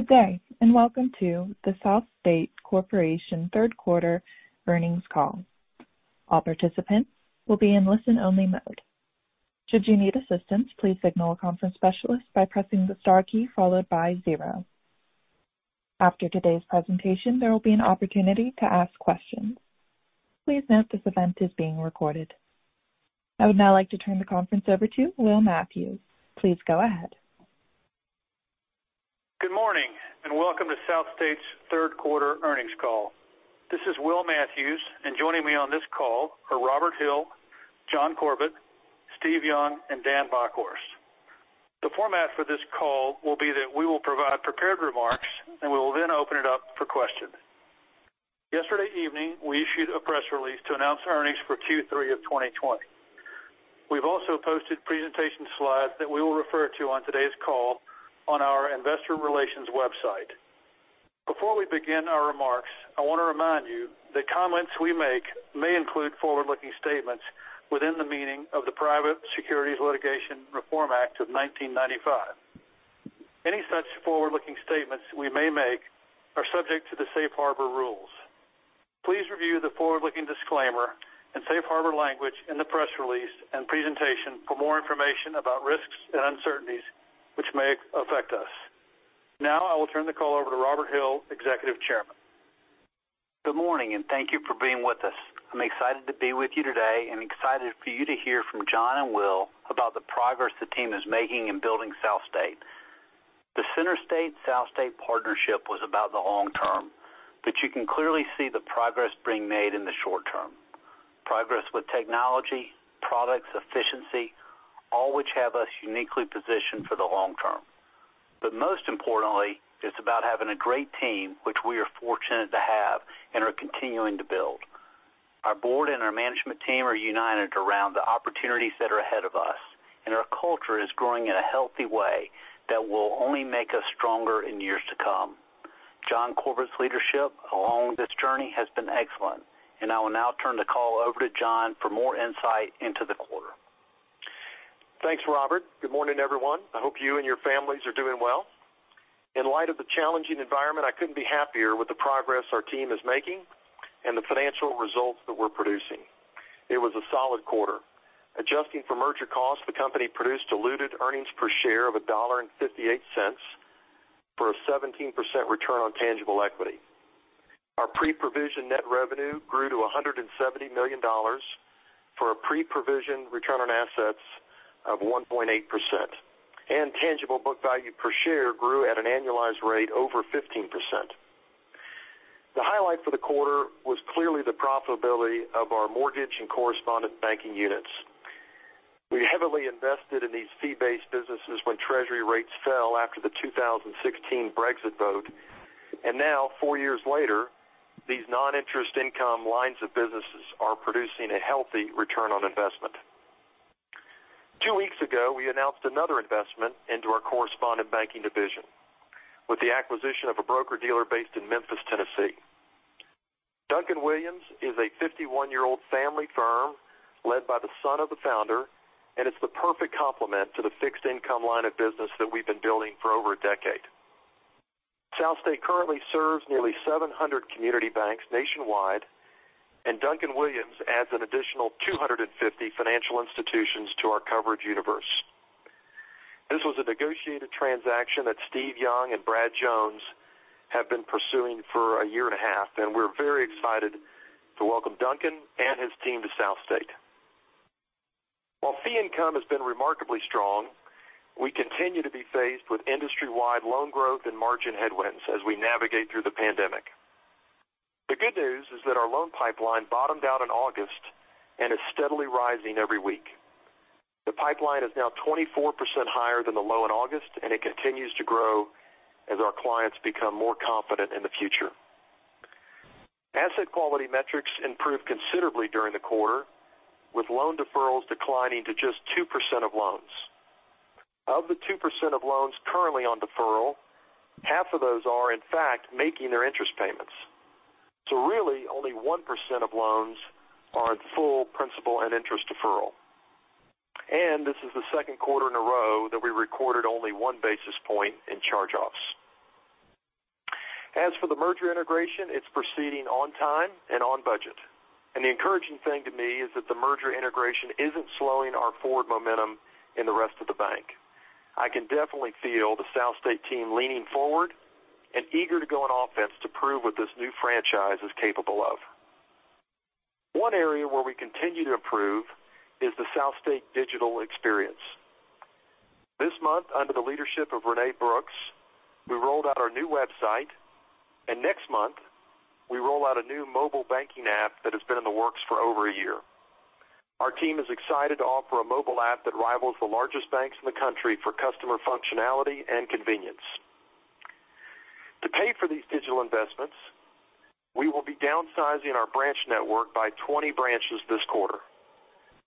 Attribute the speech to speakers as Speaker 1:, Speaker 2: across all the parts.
Speaker 1: Good day, welcome to the SouthState Corporation third quarter earnings call. All participants will be on listen-only mode. Should you need assistance please contact the conference specialist by pressing the star key followed by zero. After today's presentation, there will an opportunity to ask questions. Please note this event is being recorded. I would now like to turn the conference over to Will Matthews. Please go ahead.
Speaker 2: Good morning, and welcome to SouthState's third quarter earnings call. This is Will Matthews, and joining me on this call are Robert Hill, John Corbett, Steve Young, and Dan Bockhorst. The format for this call will be that we will provide prepared remarks, and we will then open it up for questions. Yesterday evening, we issued a press release to announce earnings for Q3 of 2020. We've also posted presentation slides that we will refer to on today's call on our investor relations website. Before we begin our remarks, I want to remind you that comments we make may include forward-looking statements within the meaning of the Private Securities Litigation Reform Act of 1995. Any such forward-looking statements we may make are subject to the safe harbor rules. Please review the forward-looking disclaimer and safe harbor language in the press release and presentation for more information about risks and uncertainties which may affect us. Now I will turn the call over to Robert Hill, Executive Chairman.
Speaker 3: Good morning, and thank you for being with us. I'm excited to be with you today and excited for you to hear from John and Will about the progress the team is making in building SouthState. The CenterState-SouthState partnership was about the long term. You can clearly see the progress being made in the short term. Progress with technology, products, efficiency, all which have us uniquely positioned for the long term. Most importantly, it's about having a great team, which we are fortunate to have and are continuing to build. Our board and our management team are united around the opportunities that are ahead of us, and our culture is growing in a healthy way that will only make us stronger in years to come. John Corbett's leadership along this journey has been excellent, and I will now turn the call over to John for more insight into the quarter.
Speaker 4: Thanks, Robert. Good morning, everyone. I hope you and your families are doing well. In light of the challenging environment, I couldn't be happier with the progress our team is making and the financial results that we're producing. It was a solid quarter. Adjusting for merger costs, the company produced diluted earnings per share of $1.58 for a 17% return on tangible equity. Our pre-provision net revenue grew to $170 million for a pre-provision return on assets of 1.8%. Tangible book value per share grew at an annualized rate over 15%. The highlight for the quarter was clearly the profitability of our mortgage and correspondent banking units. We heavily invested in these fee-based businesses when Treasury rates fell after the 2016 Brexit vote, and now, four years later, these non-interest income lines of businesses are producing a healthy return on investment. Two weeks ago, we announced another investment into our correspondent banking division with the acquisition of a broker-dealer based in Memphis, Tennessee. Duncan-Williams, Inc. is a 51-year-old family firm led by the son of the founder, and it's the perfect complement to the fixed income line of business that we've been building for over a decade. SouthState currently serves nearly 700 community banks nationwide, and Duncan-Williams, Inc. adds an additional 250 financial institutions to our coverage universe. This was a negotiated transaction that Steve Young and Brad Jones have been pursuing for a year and a half, and we're very excited to welcome Duncan and his team to SouthState. While fee income has been remarkably strong, we continue to be faced with industry-wide loan growth and margin headwinds as we navigate through the pandemic. The good news is that our loan pipeline bottomed out in August and is steadily rising every week. The pipeline is now 24% higher than the low in August, it continues to grow as our clients become more confident in the future. Asset quality metrics improved considerably during the quarter, with loan deferrals declining to just 2% of loans. Of the 2% of loans currently on deferral, half of those are in fact making their interest payments. Really, only 1% of loans are at full principal and interest deferral. This is the second quarter in a row that we recorded only one basis point in charge-offs. As for the merger integration, it's proceeding on time and on budget. The encouraging thing to me is that the merger integration isn't slowing our forward momentum in the rest of the bank. I can definitely feel the SouthState team leaning forward and eager to go on offense to prove what this new franchise is capable of. One area where we continue to improve is the SouthState digital experience. This month, under the leadership of Renee Brooks, we rolled out our new website, and next month, we roll out a new mobile banking app that has been in the works for over a year. Our team is excited to offer a mobile app that rivals the largest banks in the country for customer functionality and convenience. To pay for these digital investments, we will be downsizing our branch network by 20 branches this quarter,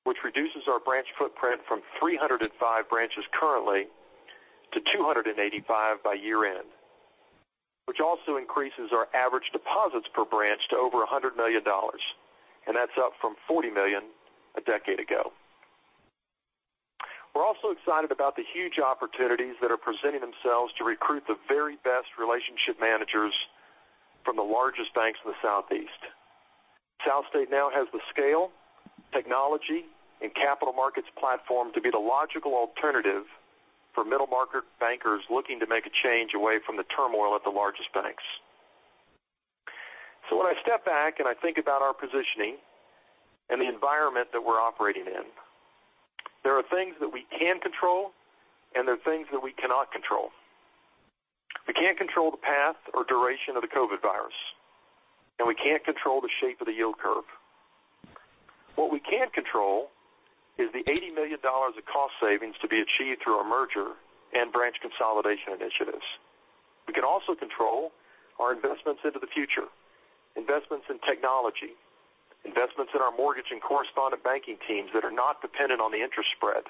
Speaker 4: which reduces our branch footprint from 305 branches currently to 285 by year-end, which also increases our average deposits per branch to over $100 million, and that's up from $40 million a decade ago. We're also excited about the huge opportunities that are presenting themselves to recruit the very best relationship managers from the largest banks in the Southeast. SouthState now has the scale, technology, and capital markets platform to be the logical alternative for middle market bankers looking to make a change away from the turmoil at the largest banks. When I step back and I think about our positioning and the environment that we're operating in, there are things that we can control and there are things that we cannot control. We can't control the path or duration of the COVID, and we can't control the shape of the yield curve. What we can control is the $80 million of cost savings to be achieved through our merger and branch consolidation initiatives. We can also control our investments into the future, investments in technology, investments in our mortgage and correspondent banking teams that are not dependent on the interest spread.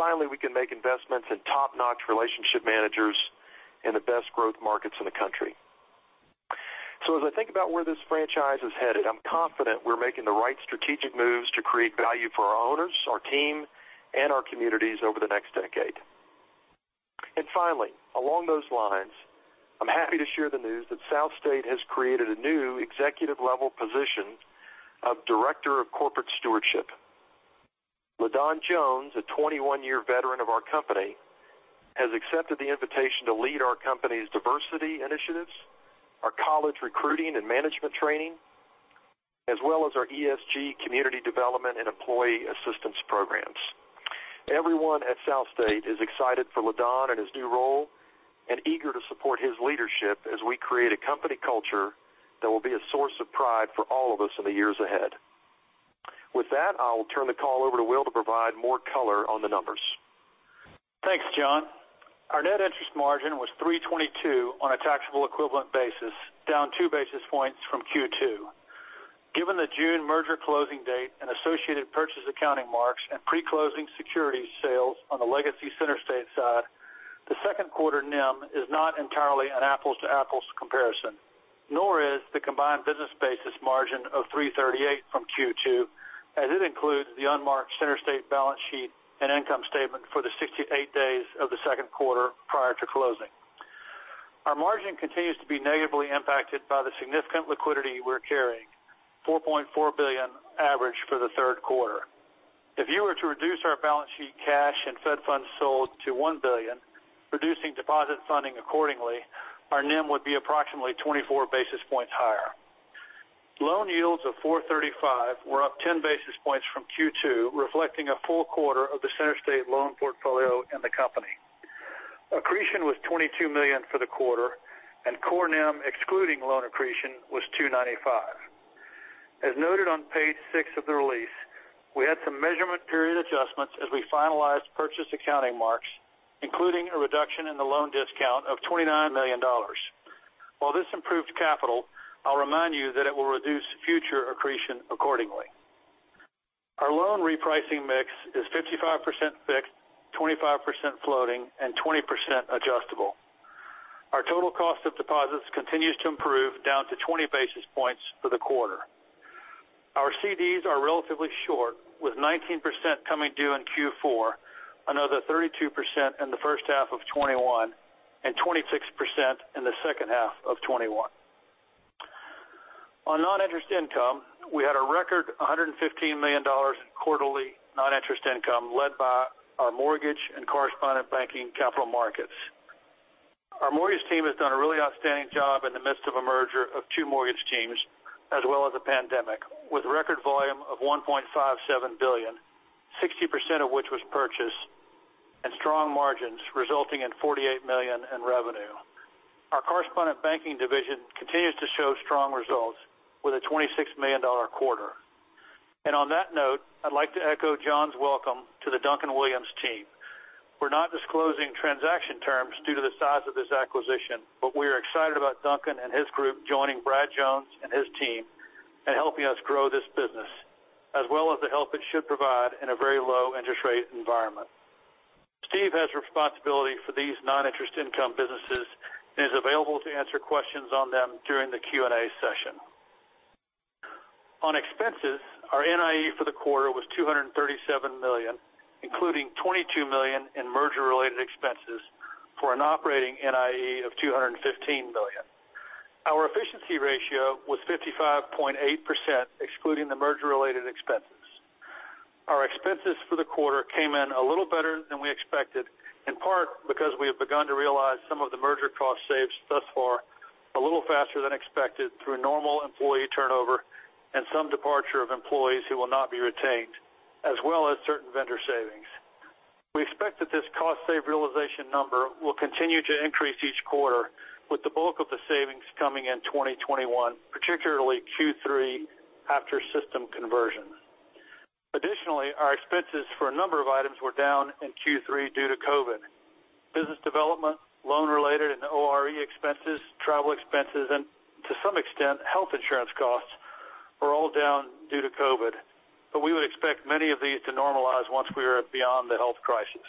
Speaker 4: Finally, we can make investments in top-notch relationship managers in the best growth markets in the country. As I think about where this franchise is headed, I'm confident we're making the right strategic moves to create value for our owners, our team, and our communities over the next decade. Finally, along those lines, I'm happy to share the news that SouthState has created a new executive level position of Director of Corporate Stewardship. LeDon Jones, a 21-year veteran of our company, has accepted the invitation to lead our company's diversity initiatives, our college recruiting and management training, as well as our ESG community development and employee assistance programs. Everyone at SouthState is excited for LeDon and his new role and eager to support his leadership as we create a company culture that will be a source of pride for all of us in the years ahead. With that, I'll turn the call over to Will to provide more color on the numbers.
Speaker 2: Thanks, John. Our net interest margin was 322 on a taxable equivalent basis, down two basis points from Q2. Given the June merger closing date and associated purchase accounting marks and pre-closing security sales on the legacy CenterState side, the second quarter NIM is not entirely an apples to apples comparison, NOR is the combined business basis margin of 338 from Q2, as it includes the unmarked CenterState balance sheet and income statement for the 68 days of the second quarter prior to closing. Our margin continues to be negatively impacted by the significant liquidity we're carrying, $4.4 billion average for the third quarter. If you were to reduce our balance sheet cash and Fed funds sold to $1 billion, reducing deposit funding accordingly, our NIM would be approximately 24 basis points higher. Loan yields of 435 were up 10 basis points from Q2, reflecting a full quarter of the CenterState loan portfolio in the company. Accretion was $22 million for the quarter, and core NIM excluding loan accretion was 295. As noted on page six of the release, we had some measurement period adjustments as we finalized purchase accounting marks, including a reduction in the loan discount of $29 million. While this improved capital, I'll remind you that it will reduce future accretion accordingly. Our loan repricing mix is 55% fixed, 25% floating, and 20% adjustable. Our total cost of deposits continues to improve down to 20 basis points for the quarter. Our CDs are relatively short, with 19% coming due in Q4, another 32% in the first half of 2021, and 26% in the second half of 2021. On non-interest income, we had a record $115 million in quarterly non-interest income, led by our mortgage and correspondent banking capital markets. Our mortgage team has done a really outstanding job in the midst of a merger of two mortgage teams, as well as a pandemic with record volume of $1.57 billion, 60% of which was purchased, and strong margins resulting in $48 million in revenue. Our correspondent banking division continues to show strong results with a $26 million quarter. On that note, I'd like to echo John's welcome to the Duncan-Williams team. We're not disclosing transaction terms due to the size of this acquisition, but we are excited about Duncan and his group joining Brad Jones and his team and helping us grow this business, as well as the help it should provide in a very low interest rate environment. Steve has responsibility for these non-interest income businesses and is available to answer questions on them during the Q&A session. On expenses, our NIE for the quarter was $237 million, including $22 million in merger related expenses for an operating NIE of $215 million. Our efficiency ratio was 55.8%, excluding the merger related expenses. Our expenses for the quarter came in a little better than we expected, in part because we have begun to realize some of the merger cost saves thus far a little faster than expected through normal employee turnover and some departure of employees who will not be retained, as well as certain vendor savings. We expect that this cost save realization number will continue to increase each quarter with the bulk of the savings coming in 2021, particularly Q3 after system conversion. Our expenses for a number of items were down in Q3 due to COVID. Business development, loan related and ORE expenses, travel expenses, and to some extent, health insurance costs were all down due to COVID. We would expect many of these to normalize once we are beyond the health crisis.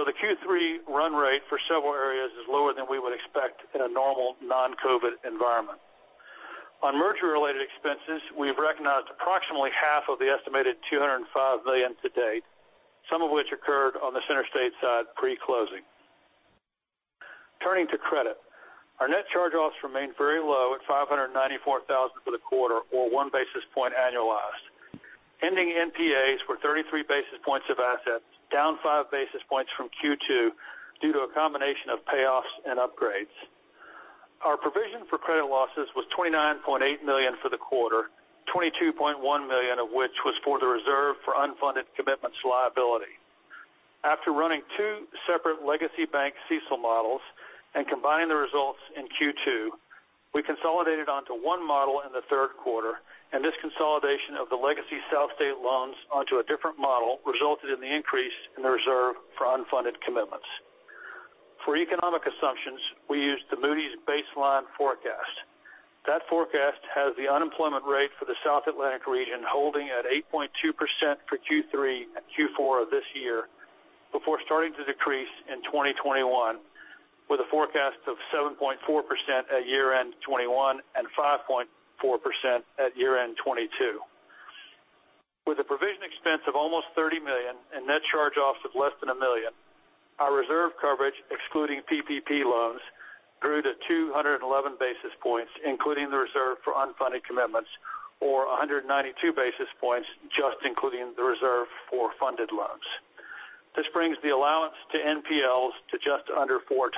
Speaker 2: The Q3 run rate for several areas is lower than we would expect in a normal non-COVID environment. On merger-related expenses, we've recognized approximately half of the estimated $205 million to date, some of which occurred on the CenterState side pre-closing. Turning to credit. Our net charge-offs remained very low at $594,000 for the quarter or one basis point annualized. Ending NPAs were 33 basis points of assets, down five basis points from Q2 due to a combination of payoffs and upgrades. Our provision for credit losses was $29.8 million for the quarter, $22.1 million of which was for the reserve for unfunded commitments liability. After running two separate legacy bank CECL models and combining the results in Q2, we consolidated onto one model in the third quarter. This consolidation of the legacy SouthState loans onto a different model resulted in the increase in the reserve for unfunded commitments. For economic assumptions, we used the Moody's baseline forecast. That forecast has the unemployment rate for the South Atlantic region holding at 8.2% for Q3 and Q4 of this year, before starting to decrease in 2021 with a forecast of 7.4% at year-end 2021 and 5.4% at year-end 2022. With a provision expense of almost $30 million and net charge-offs of less than $1 million, our reserve coverage, excluding PPP loans, grew to 211 basis points, including the reserve for unfunded commitments, or 192 basis points just including the reserve for funded loans. This brings the allowance to NPLs to just under 4x.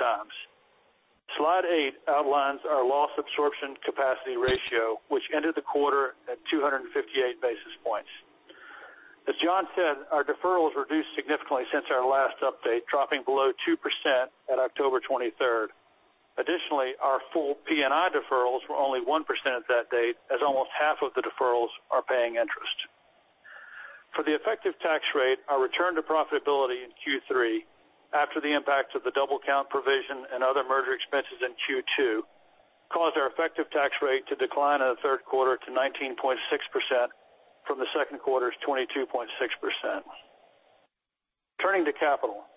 Speaker 2: Slide eight outlines our loss absorption capacity ratio, which ended the quarter at 258 basis points. As John said, our deferrals reduced significantly since our last update, dropping below 2% at October 23rd. Additionally, our full P&I deferrals were only 1% at that date, as almost half of the deferrals are paying interest. For the effective tax rate, our return to profitability in Q3, after the impacts of the double-count provision and other merger expenses in Q2, caused our effective tax rate to decline in the third quarter to 19.6% from the second quarter's 22.6%. Turning to capital.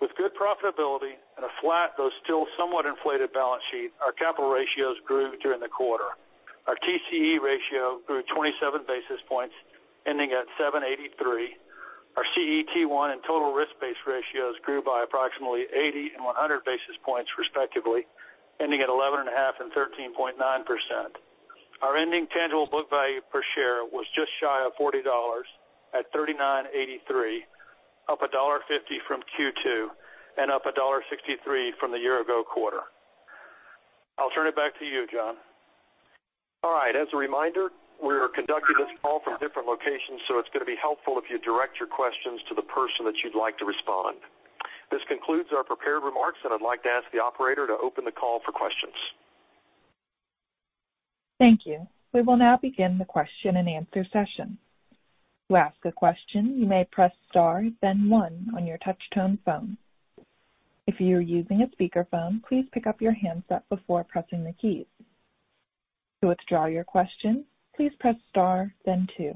Speaker 2: With good profitability and a flat, though still somewhat inflated balance sheet, our capital ratios grew during the quarter. Our TCE ratio grew 27 basis points, ending at 783. Our CET1 and total risk-based ratios grew by approximately 80 and 100 basis points respectively, ending at 11.5% and 13.9%. Our ending tangible book value per share was just shy of $40 at $39.83, up $1.50 from Q2 and up $1.63 from the year-ago quarter. I'll turn it back to you, John.
Speaker 4: All right. As a reminder, we are conducting this call from different locations, so it's going to be helpful if you direct your questions to the person that you'd like to respond. This concludes our prepared remarks, and I'd like to ask the operator to open the call for questions.
Speaker 1: Thank you. We will now begin the question and answer session. To ask a question you may press star then one on your touchtone phone. If you are using a speakerphone please switch off your handset before pressing the key. To withdaw you question, please press star then two.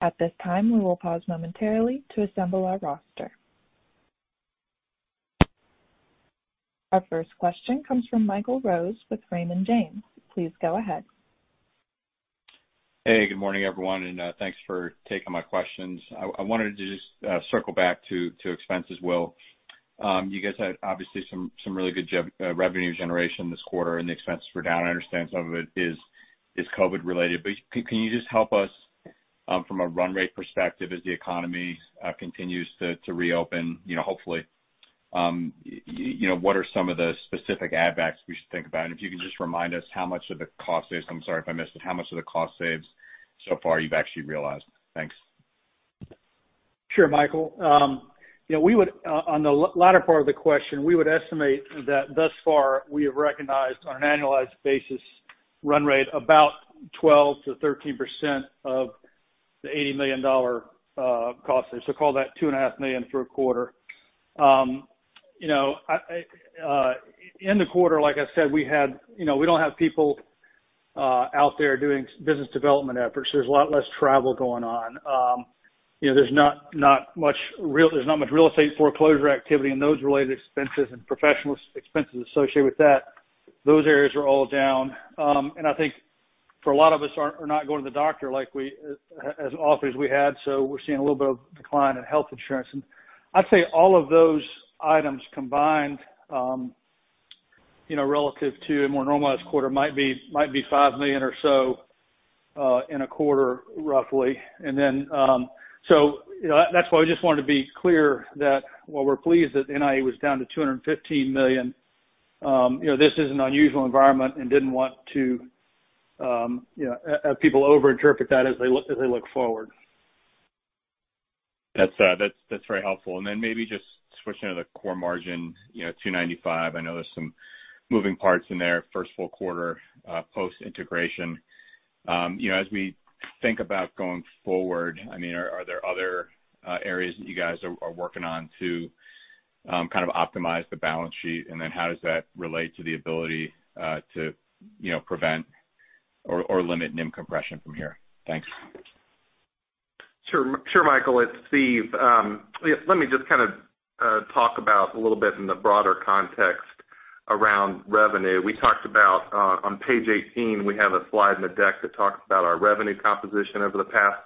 Speaker 1: At this time we will pause momentarily to assemble our roster. Our first question comes from Michael Rose with Raymond James. Please go ahead.
Speaker 5: Hey, good morning, everyone, and thanks for taking my questions. I wanted to just circle back to expenses, Will. You guys had obviously some really good revenue generation this quarter and the expenses were down. I understand some of it is COVID related, but can you just help us from a run rate perspective as the economy continues to reopen hopefully, what are some of the specific add backs we should think about? If you can just remind us how much of the cost saves, I'm sorry if I missed it, how much of the cost saves so far you've actually realized? Thanks.
Speaker 2: Sure, Michael. On the latter part of the question, we would estimate that thus far, we have recognized on an annualized basis run rate about 12%-13% of the $80 million cost saves. Call that $2.5 million for a quarter. In the quarter, like I said, we don't have people out there doing business development efforts. There's a lot less travel going on. There's not much real estate foreclosure activity and those related expenses and professional expenses associated with that. Those areas are all down. I think for a lot of us are not going to the doctor as often as we had, so we're seeing a little bit of decline in health insurance. I'd say all of those items combined, relative to a more normalized quarter, might be $5 million or so in a quarter, roughly. That's why we just wanted to be clear that while we're pleased that NIE was down to $215 million, this is an unusual environment and didn't want to have people overinterpret that as they look forward.
Speaker 5: That's very helpful. Then maybe just switching to the core margin, 295. I know there's some moving parts in there, first full quarter post-integration. As we think about going forward, are there other areas that you guys are working on to kind of optimize the balance sheet, and then how does that relate to the ability to prevent or limit NIM compression from here? Thanks.
Speaker 6: Sure, Michael, it's Steve. Let me just talk about a little bit in the broader context around revenue. We talked about, on page 18, we have a slide in the deck that talks about our revenue composition over the past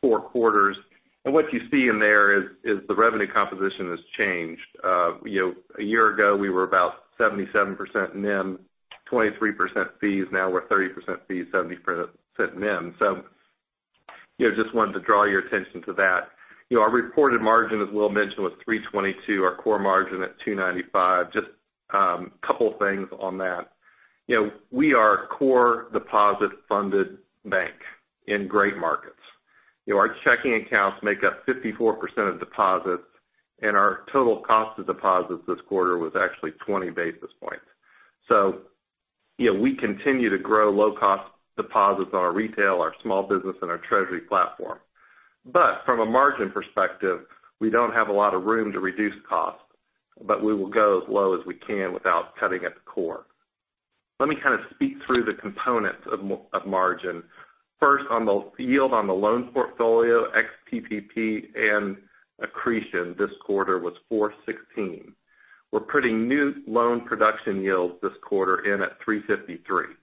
Speaker 6: four quarters. What you see in there is the revenue composition has changed. A year ago, we were about 77% NIM, 23% fees. Now we're 30% fees, 70% NIM. Just wanted to draw your attention to that. Our reported margin, as Will mentioned, was 322, our core margin at 295. Just a couple of things on that. We are a core deposit-funded bank in great markets. Our checking accounts make up 54% of deposits, and our total cost of deposits this quarter was actually 20 basis points. We continue to grow low-cost deposits on our retail, our small business, and our treasury platform. From a margin perspective, we don't have a lot of room to reduce costs, but we will go as low as we can without cutting at the core. Let me kind of speak through the components of margin. First, on the yield on the loan portfolio, ex-PPP and accretion this quarter was 416. We're putting new loan production yields this quarter in at 353.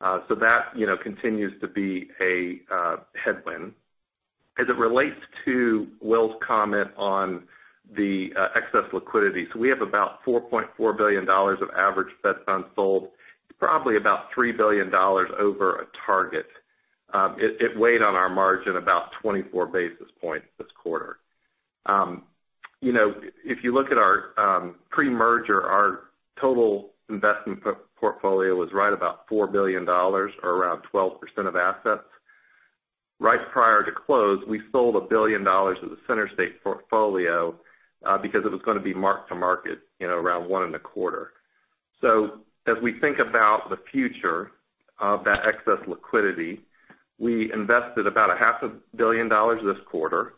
Speaker 6: That continues to be a headwind. As it relates to Will's comment on the excess liquidity, we have about $4.4 billion of average Fed funds sold, probably about $3 billion over a target. It weighed on our margin about 24 basis points this quarter. If you look at our pre-merger, our total investment portfolio was right about $4 billion or around 12% of assets. Right prior to close, we sold $1 billion of the CenterState portfolio because it was going to be mark-to-market around 1.25. As we think about the future of that excess liquidity, we invested about a $0.5 Billion this quarter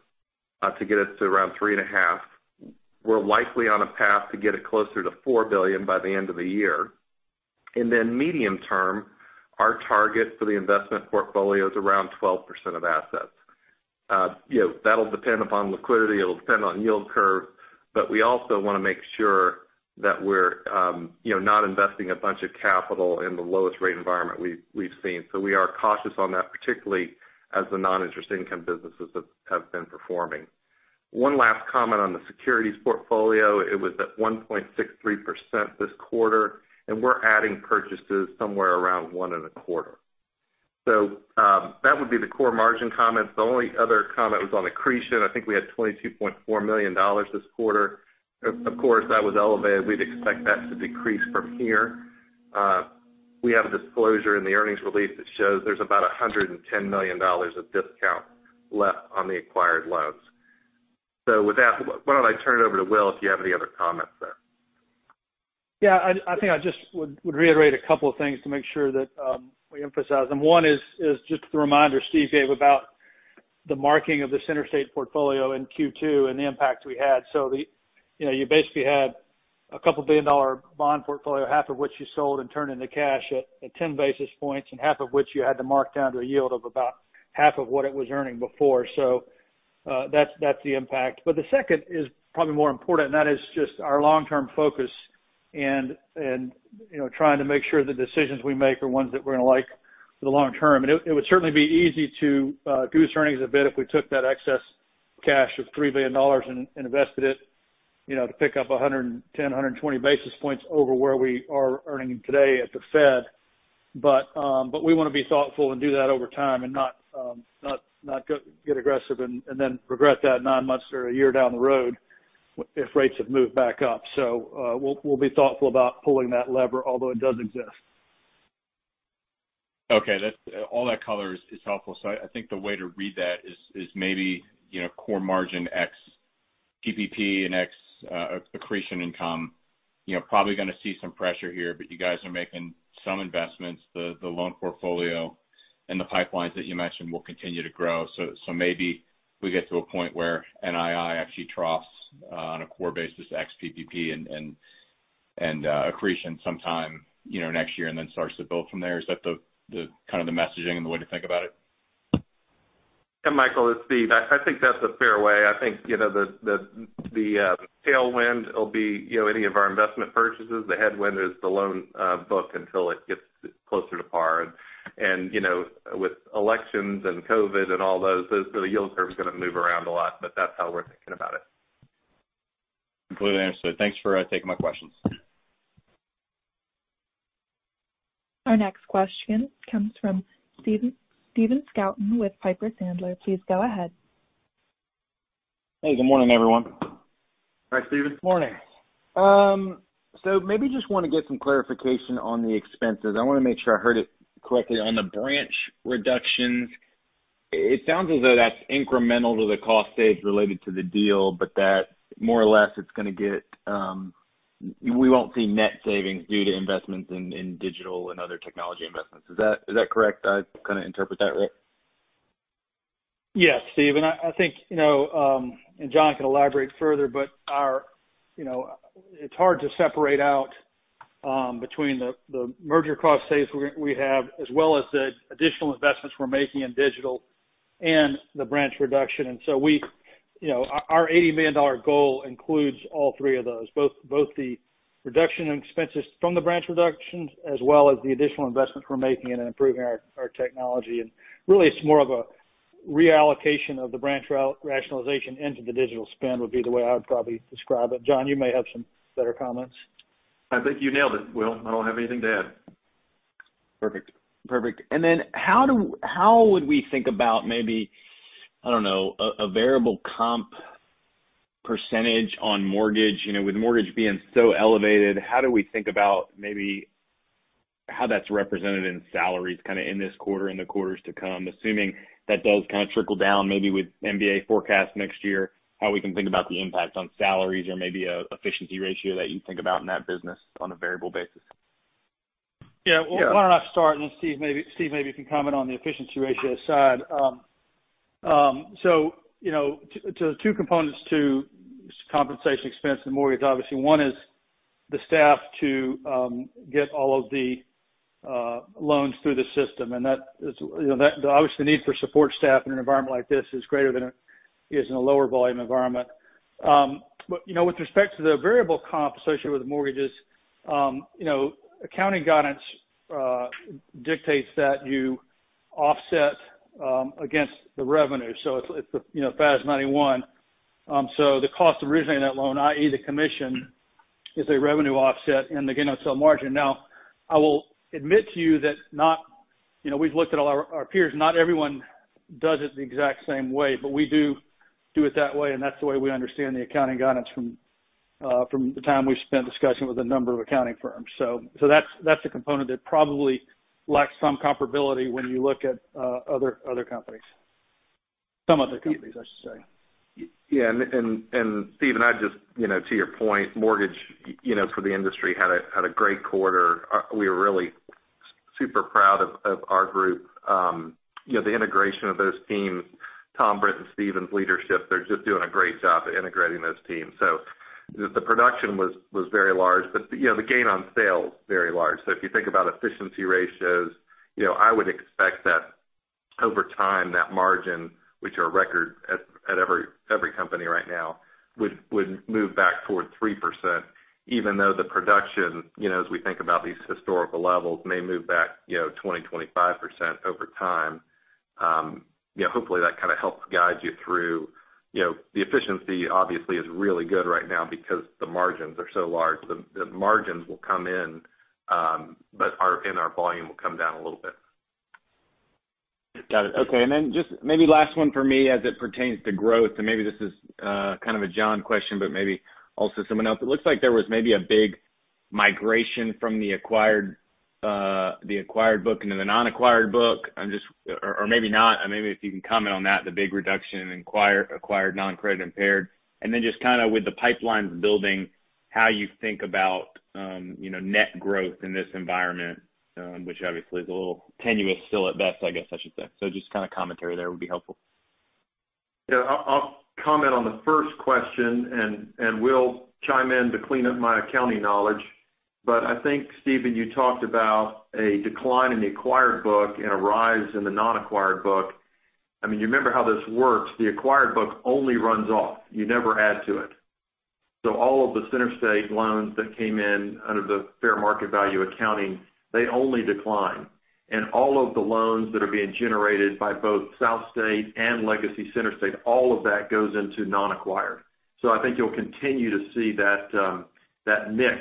Speaker 6: to get us to around $3.5 billion. We're likely on a path to get it closer to $4 billion by the end of the year. In the medium term, our target for the investment portfolio is around 12% of assets. That'll depend upon liquidity, it'll depend on yield curve, but we also want to make sure that we're not investing a bunch of capital in the lowest rate environment we've seen. We are cautious on that, particularly as the non-interest income businesses have been performing. One last comment on the securities portfolio. It was at 1.63% this quarter, and we're adding purchases somewhere around 1.25%. That would be the core margin comments. The only other comment was on accretion. I think we had $22.4 million this quarter. Of course, that was elevated. We'd expect that to decrease from here. We have a disclosure in the earnings release that shows there's about $110 million of discount left on the acquired loans. With that, why don't I turn it over to Will if you have any other comments there?
Speaker 2: I think I just would reiterate a couple of things to make sure that we emphasize them. One is just the reminder Steve gave about the marking of the CenterState portfolio in Q2 and the impact we had. You basically had a $2 billion bond portfolio, half of which you sold and turned into cash at 10 basis points, and half of which you had to mark down to a yield of about half of what it was earning before. That's the impact. The second is probably more important, and that is just our long-term focus and trying to make sure the decisions we make are ones that we're going to like for the long term. It would certainly be easy to boost earnings a bit if we took that excess cash of $3 billion and invested it to pick up 110, 120 basis points over where we are earning today at the Fed. We want to be thoughtful and do that over time and not get aggressive and then regret that nine months or a year down the road if rates have moved back up. We'll be thoughtful about pulling that lever, although it does exist.
Speaker 5: Okay. All that color is helpful. I think the way to read that is maybe core margin ex PPP and ex accretion income. Probably going to see some pressure here, but you guys are making some investments. The loan portfolio and the pipelines that you mentioned will continue to grow. Maybe we get to a point where NII actually troughs on a core basis, ex PPP and accretion sometime next year and then starts to build from there. Is that the kind of the messaging and the way to think about it?
Speaker 6: Yeah, Michael, it's Steve. I think that's a fair way. I think the tailwind will be any of our investment purchases. The headwind is the loan book until it gets closer to par. With elections and COVID and all those, the yield curve is going to move around a lot, but that's how we're thinking about it.
Speaker 5: Completely understood. Thanks for taking my questions.
Speaker 1: Our next question comes from Stephen Scouten with Piper Sandler. Please go ahead.
Speaker 7: Hey, good morning, everyone.
Speaker 6: Hi, Stephen.
Speaker 2: Morning.
Speaker 7: I just want to get some clarification on the expenses. I want to make sure I heard it correctly. On the branch reductions, it sounds as though that's incremental to the cost saves related to the deal, but that more or less we won't see net savings due to investments in digital and other technology investments. Is that correct? Did I kind of interpret that right?
Speaker 2: Yes, Stephen, I think John can elaborate further, but it's hard to separate out between the merger cost saves we have, as well as the additional investments we're making in digital and the branch reduction. Our $80 million goal includes all three of those, both the reduction in expenses from the branch reductions as well as the additional investments we're making in improving our technology. Really, it's more of a reallocation of the branch rationalization into the digital spend, would be the way I would probably describe it. John, you may have some better comments.
Speaker 4: I think you nailed it, Will. I don't have anything to add.
Speaker 7: Perfect. How would we think about maybe, I don't know, a variable comp percentage on mortgage? With mortgage being so elevated, how do we think about maybe how that's represented in salaries kind of in this quarter, in the quarters to come, assuming that does kind of trickle down maybe with MBA forecast next year, how we can think about the impact on salaries or maybe an efficiency ratio that you think about in that business on a variable basis?
Speaker 2: Yeah. Why don't I start and then Steve, maybe you can comment on the efficiency ratio side. Two components to compensation expense in mortgage. Obviously, one is the staff to get all of the loans through the system, and obviously the need for support staff in an environment like this is greater than it is in a lower volume environment. With respect to the variable comp associated with mortgages, accounting guidance dictates that you offset against the revenue. It's FAS 91. The cost of originating that loan, i.e. the commission, is a revenue offset and the gain on sale margin. I will admit to you that we've looked at all our peers, not everyone does it the exact same way, but we do it that way, and that's the way we understand the accounting guidance from the time we've spent discussing with a number of accounting firms. That's a component that probably lacks some comparability when you look at other companies. Some other companies, I should say.
Speaker 6: Steve, to your point, mortgage for the industry had a great quarter. We are really super proud of our group. The integration of those teams, Tom Britt and Stephen's leadership, they're just doing a great job at integrating those teams. The production was very large, but the gain on sale is very large. If you think about efficiency ratios, I would expect that over time, that margin, which are record at every company right now, would move back toward 3%, even though the production, as we think about these historical levels, may move back 20%, 25% over time. Hopefully, that kind of helps guide you through. The efficiency obviously is really good right now because the margins are so large. The margins will come in, but our volume will come down a little bit.
Speaker 7: Got it. Okay, and then just maybe last one for me as it pertains to growth, and maybe this is kind of a John question, but maybe also someone else. It looks like there was maybe a big migration from the acquired book into the non-acquired book. Maybe not. Maybe if you can comment on that, the big reduction in acquired non-credit impaired, and then just kind of with the pipelines building, how you think about net growth in this environment, which obviously is a little tenuous still at best, I guess I should say. Just kind of commentary there would be helpful.
Speaker 6: Yeah. I'll comment on the first question, and Will chime in to clean up my accounting knowledge. I think, Stephen, you talked about a decline in the acquired book and a rise in the non-acquired book. You remember how this works. The acquired book only runs off. You never add to it. All of the CenterState loans that came in under the fair market value accounting, they only decline. All of the loans that are being generated by both SouthState and Legacy CenterState, all of that goes into non-acquired. I think you'll continue to see that mix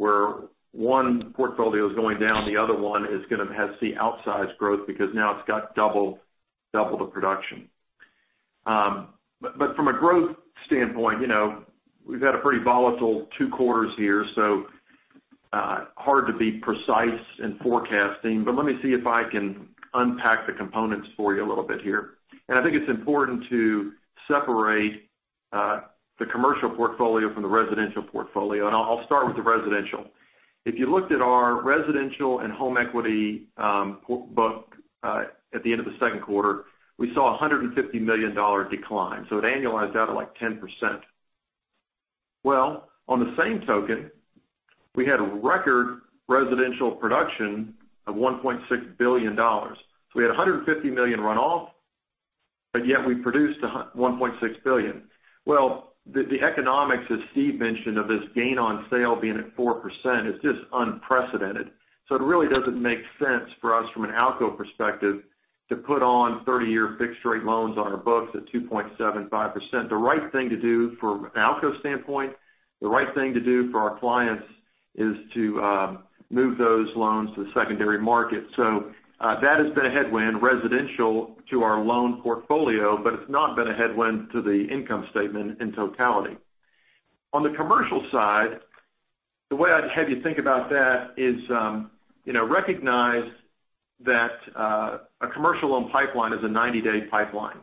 Speaker 6: where one portfolio is going down, the other one has the outsized growth because now it's got double the production. From a growth standpoint, we've had a pretty volatile two quarters here, so hard to be precise in forecasting, but let me see if I can unpack the components for you a little bit here. I think it's important to separate the commercial portfolio from the residential portfolio, and I'll start with the residential. If you looked at our residential and home equity book at the end of the second quarter, we saw a $150 million decline. It annualized out at, like, 10%. On the same token, we had a record residential production of $1.6 billion. We had $150 million run off, but yet we produced $1.6 billion. The economics, as Steve mentioned, of this gain on sale being at 4% is just unprecedented. It really doesn't make sense for us from an ALCO perspective to put on 30-year fixed rate loans on our books at 2.75%. The right thing to do from an ALCO standpoint, the right thing to do for our clients is to move those loans to the secondary market. That has been a headwind, residential to our loan portfolio, but it's not been a headwind to the income statement in totality. On the commercial side, the way I'd have you think about that is recognize that a commercial loan pipeline is a 90-day pipeline.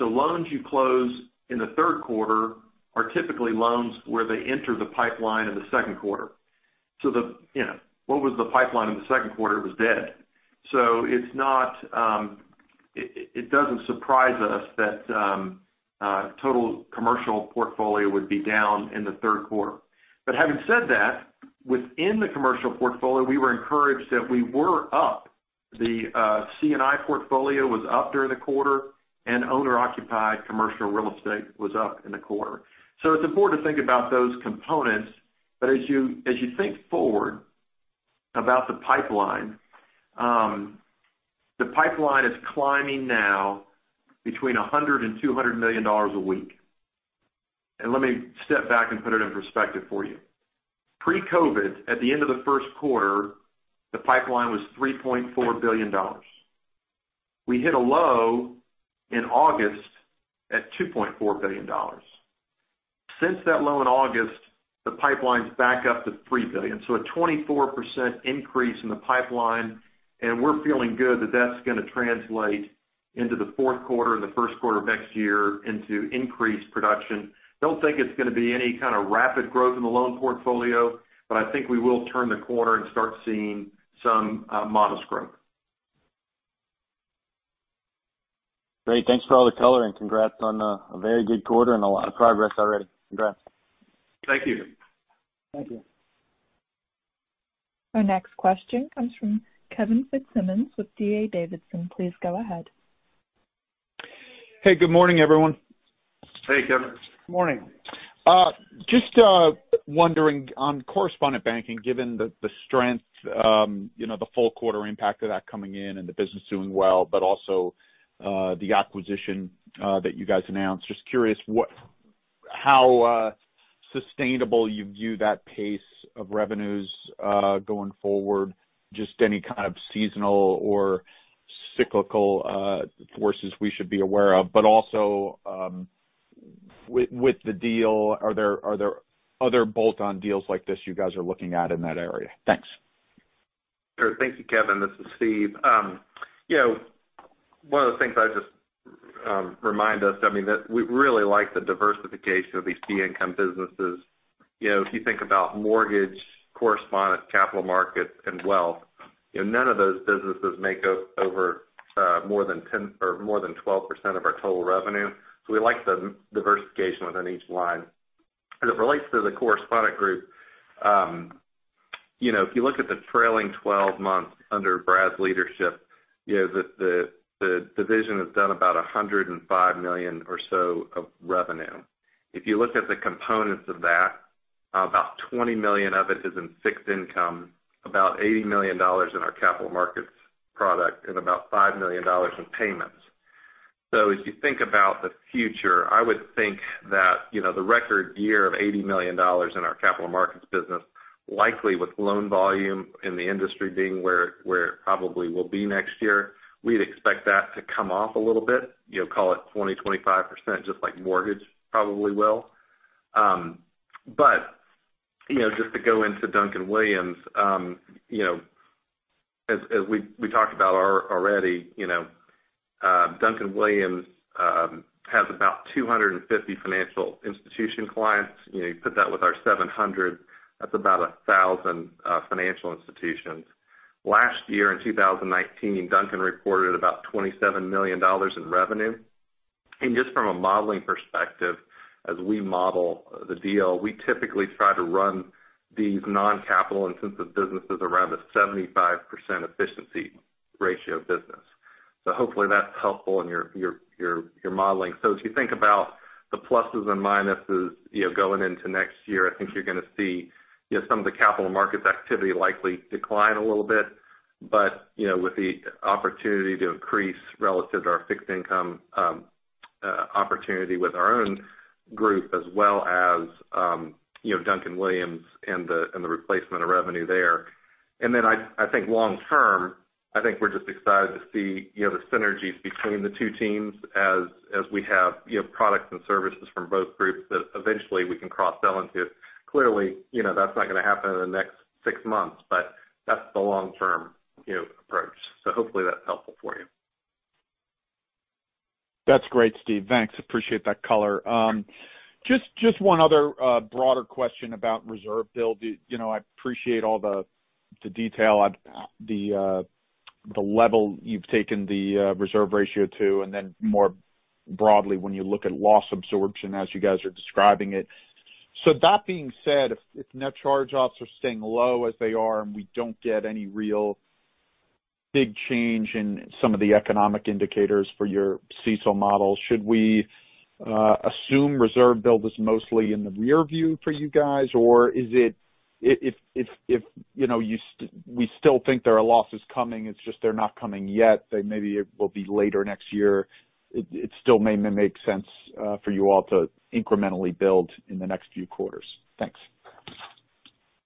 Speaker 6: Loans you close in the third quarter are typically loans where they enter the pipeline in the second quarter. What was the pipeline in the second quarter was dead. It doesn't surprise us that total commercial portfolio would be down in the third quarter. Having said that, within the commercial portfolio, we were encouraged that we were up. The C&I portfolio was up during the quarter, and owner-occupied commercial real estate was up in the quarter. It's important to think about those components, but as you think forward about the pipeline, the pipeline is climbing now between $100 million and $200 million a week. Let me step back and put it in perspective for you. Pre-COVID, at the end of the first quarter, the pipeline was $3.4 billion. We hit a low in August at $2.4 billion. Since that low in August, the pipeline's back up to $3 billion, so a 24% increase in the pipeline, and we're feeling good that that's going to translate into the fourth quarter and the first quarter of next year into increased production. Don't think it's going to be any kind of rapid growth in the loan portfolio, but I think we will turn the corner and start seeing some modest growth.
Speaker 7: Great. Thanks for all the color, and congrats on a very good quarter and a lot of progress already. Congrats.
Speaker 6: Thank you.
Speaker 2: Thank you.
Speaker 1: Our next question comes from Kevin Fitzsimmons with D.A. Davidson. Please go ahead.
Speaker 8: Hey, good morning, everyone.
Speaker 6: Hey, Kevin.
Speaker 2: Morning.
Speaker 8: Just wondering on correspondent banking, given the strength, the full quarter impact of that coming in and the business doing well, but also the acquisition that you guys announced. Just curious how sustainable you view that pace of revenues going forward, just any kind of seasonal or cyclical forces we should be aware of. Also, with the deal, are there other bolt-on deals like this you guys are looking at in that area? Thanks.
Speaker 6: Sure. Thank you, Kevin. This is Steve. One of the things I just remind us, we really like the diversification of these fee income businesses. If you think about mortgage, correspondent, capital markets and wealth, none of those businesses make up more than 12% of our total revenue. We like the diversification within each line. As it relates to the correspondent group, if you look at the trailing 12 months under Brad's leadership, the division has done about $105 million or so of revenue. If you look at the components of that, about $20 million of it is in fixed income, about $80 million in our capital markets product, and about $5 million in payments. As you think about the future, I would think that, the record year of $80 million in our capital markets business, likely with loan volume in the industry being where it probably will be next year, we'd expect that to come off a little bit, call it 20%-25%, just like mortgage probably will. Just to go into Duncan-Williams, Inc., as we talked about already, Duncan-Williams, Inc. has about 250 financial institution clients. You put that with our 700, that's about 1,000 financial institutions. Last year, in 2019, Duncan reported about $27 million in revenue. Just from a modeling perspective, as we model the deal, we typically try to run these non-capital intensive businesses around a 75% efficiency ratio business. Hopefully that's helpful in your modeling. As you think about the pluses and minuses going into next year, I think you're going to see some of the capital markets activity likely decline a little bit. With the opportunity to increase relative to our fixed income opportunity with our own group as well as Duncan-Williams, Inc. and the replacement of revenue there. I think long term, I think we're just excited to see the synergies between the two teams as we have products and services from both groups that eventually we can cross-sell into. Clearly, that's not going to happen in the next six months, but that's the long-term approach. Hopefully that's helpful for you.
Speaker 8: That's great, Steve. Thanks. Appreciate that color. Just one other broader question about reserve build. I appreciate all the detail, the level you've taken the reserve ratio to, more broadly when you look at loss absorption as you guys are describing it. That being said, if net charge offs are staying low as they are, and we don't get any real big change in some of the economic indicators for your CECL models, should we assume reserve build is mostly in the rear view for you guys, or is it if we still think there are losses coming, it's just they're not coming yet, maybe it will be later next year. It still may make sense for you all to incrementally build in the next few quarters. Thanks.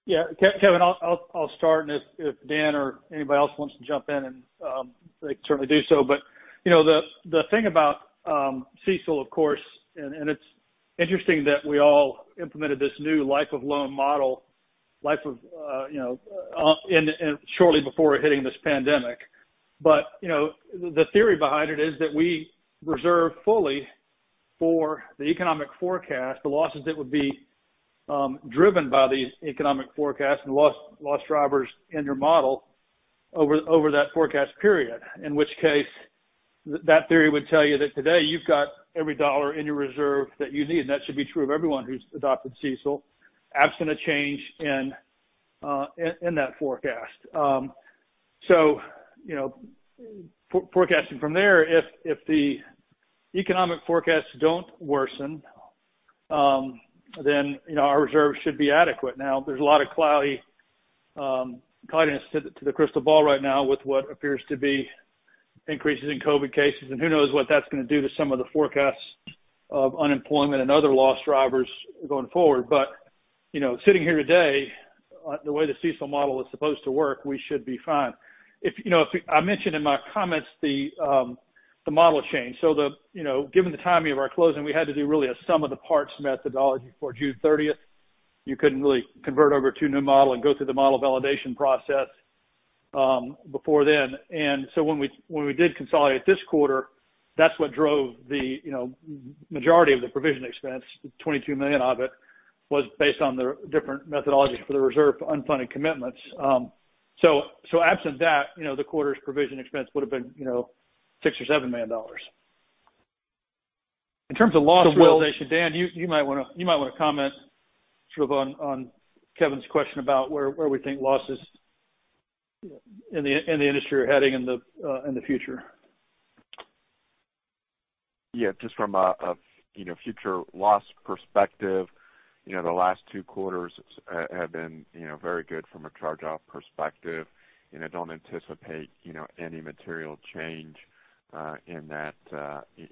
Speaker 2: Yeah. Kevin, I'll start, and if Dan or anybody else wants to jump in they can certainly do so. The thing about CECL, of course, and it's interesting that we all implemented this new life of loan model shortly before hitting this pandemic. The theory behind it is that we reserve fully for the economic forecast, the losses that would be driven by these economic forecasts and loss drivers in your model over that forecast period. In which case, that theory would tell you that today you've got every dollar in your reserve that you need, and that should be true of everyone who's adopted CECL, absent a change in that forecast. Forecasting from there, if the economic forecasts don't worsen, then our reserves should be adequate. There's a lot of cloudiness to the crystal ball right now with what appears to be increases in COVID cases, and who knows what that's going to do to some of the forecasts of unemployment and other loss drivers going forward. Sitting here today, the way the CECL model is supposed to work, we should be fine. I mentioned in my comments the model change. Given the timing of our closing, we had to do really a sum of the parts methodology for June 30th. You couldn't really convert over to a new model and go through the model validation process before then. When we did consolidate this quarter, that's what drove the majority of the provision expense. $22 million of it was based on the different methodologies for the reserve for unfunded commitments. Absent that, the quarter's provision expense would've been $6 million or $7 million. In terms of loss realization, Dan, you might want to comment on Kevin's question about where we think losses in the industry are heading in the future.
Speaker 9: Yeah. Just from a future loss perspective, the last two quarters have been very good from a charge-off perspective, and I don't anticipate any material change in that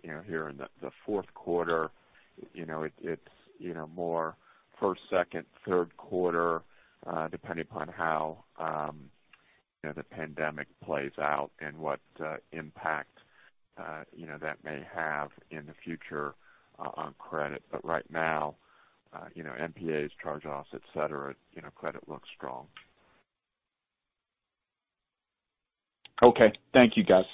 Speaker 9: here in the fourth quarter. It's more first, second, third quarter, depending upon how the pandemic plays out and what impact that may have in the future on credit. Right now, NPAs, charge-offs, et cetera, credit looks strong.
Speaker 8: Okay. Thank you, guys.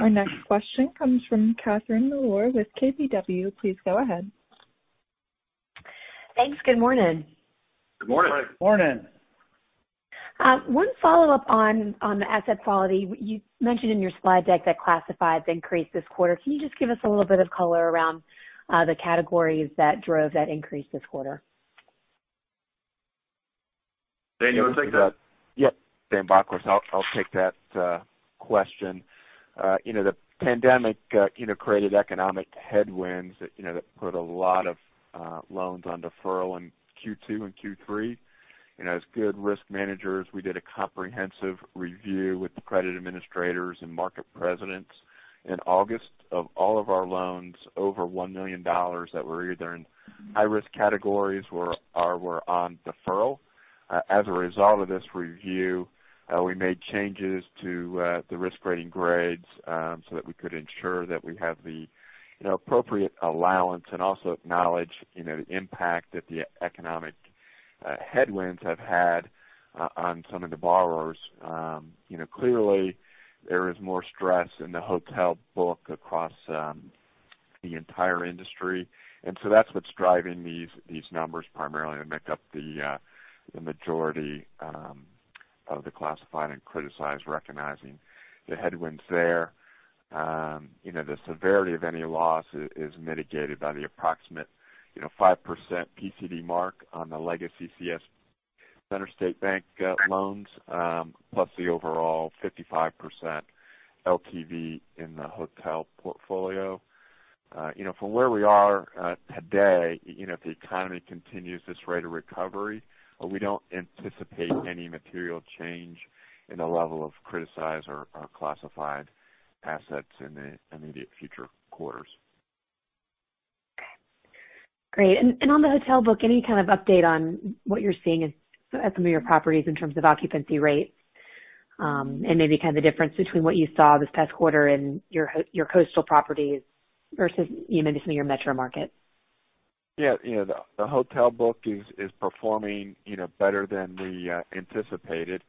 Speaker 1: Our next question comes from Catherine Mealor with KBW. Please go ahead.
Speaker 10: Thanks. Good morning.
Speaker 2: Good morning.
Speaker 9: Morning.
Speaker 10: One follow-up on the asset quality. You mentioned in your slide deck that classifieds increased this quarter. Can you just give us a little bit of color around the categories that drove that increase this quarter?
Speaker 2: Dan, you want to take that?
Speaker 9: Dan Bockhorst. I'll take that question. The pandemic created economic headwinds that put a lot of loans on deferral in Q2 and Q3. As good risk managers, we did a comprehensive review with the credit administrators and market presidents in August of all of our loans over $1 million that were either in high-risk categories or were on deferral. As a result of this review, we made changes to the risk rating grades so that we could ensure that we have the appropriate allowance and also acknowledge the impact that the economic headwinds have had on some of the borrowers. Clearly, there is more stress in the hotel book across the entire industry, and so that's what's driving these numbers primarily that make up the majority of the classified and criticized, recognizing the headwinds there. The severity of any loss is mitigated by the approximate 5% PCD mark on the legacy CS CenterState bank loans, plus the overall 55% LTV in the hotel portfolio. From where we are today, if the economy continues this rate of recovery, we don't anticipate any material change in the level of criticized or classified assets in the immediate future quarters.
Speaker 10: Great. On the hotel book, any kind of update on what you're seeing at some of your properties in terms of occupancy rates? Maybe kind of the difference between what you saw this past quarter in your coastal properties versus even some of your metro markets?
Speaker 9: The hotel book is performing better than we anticipated.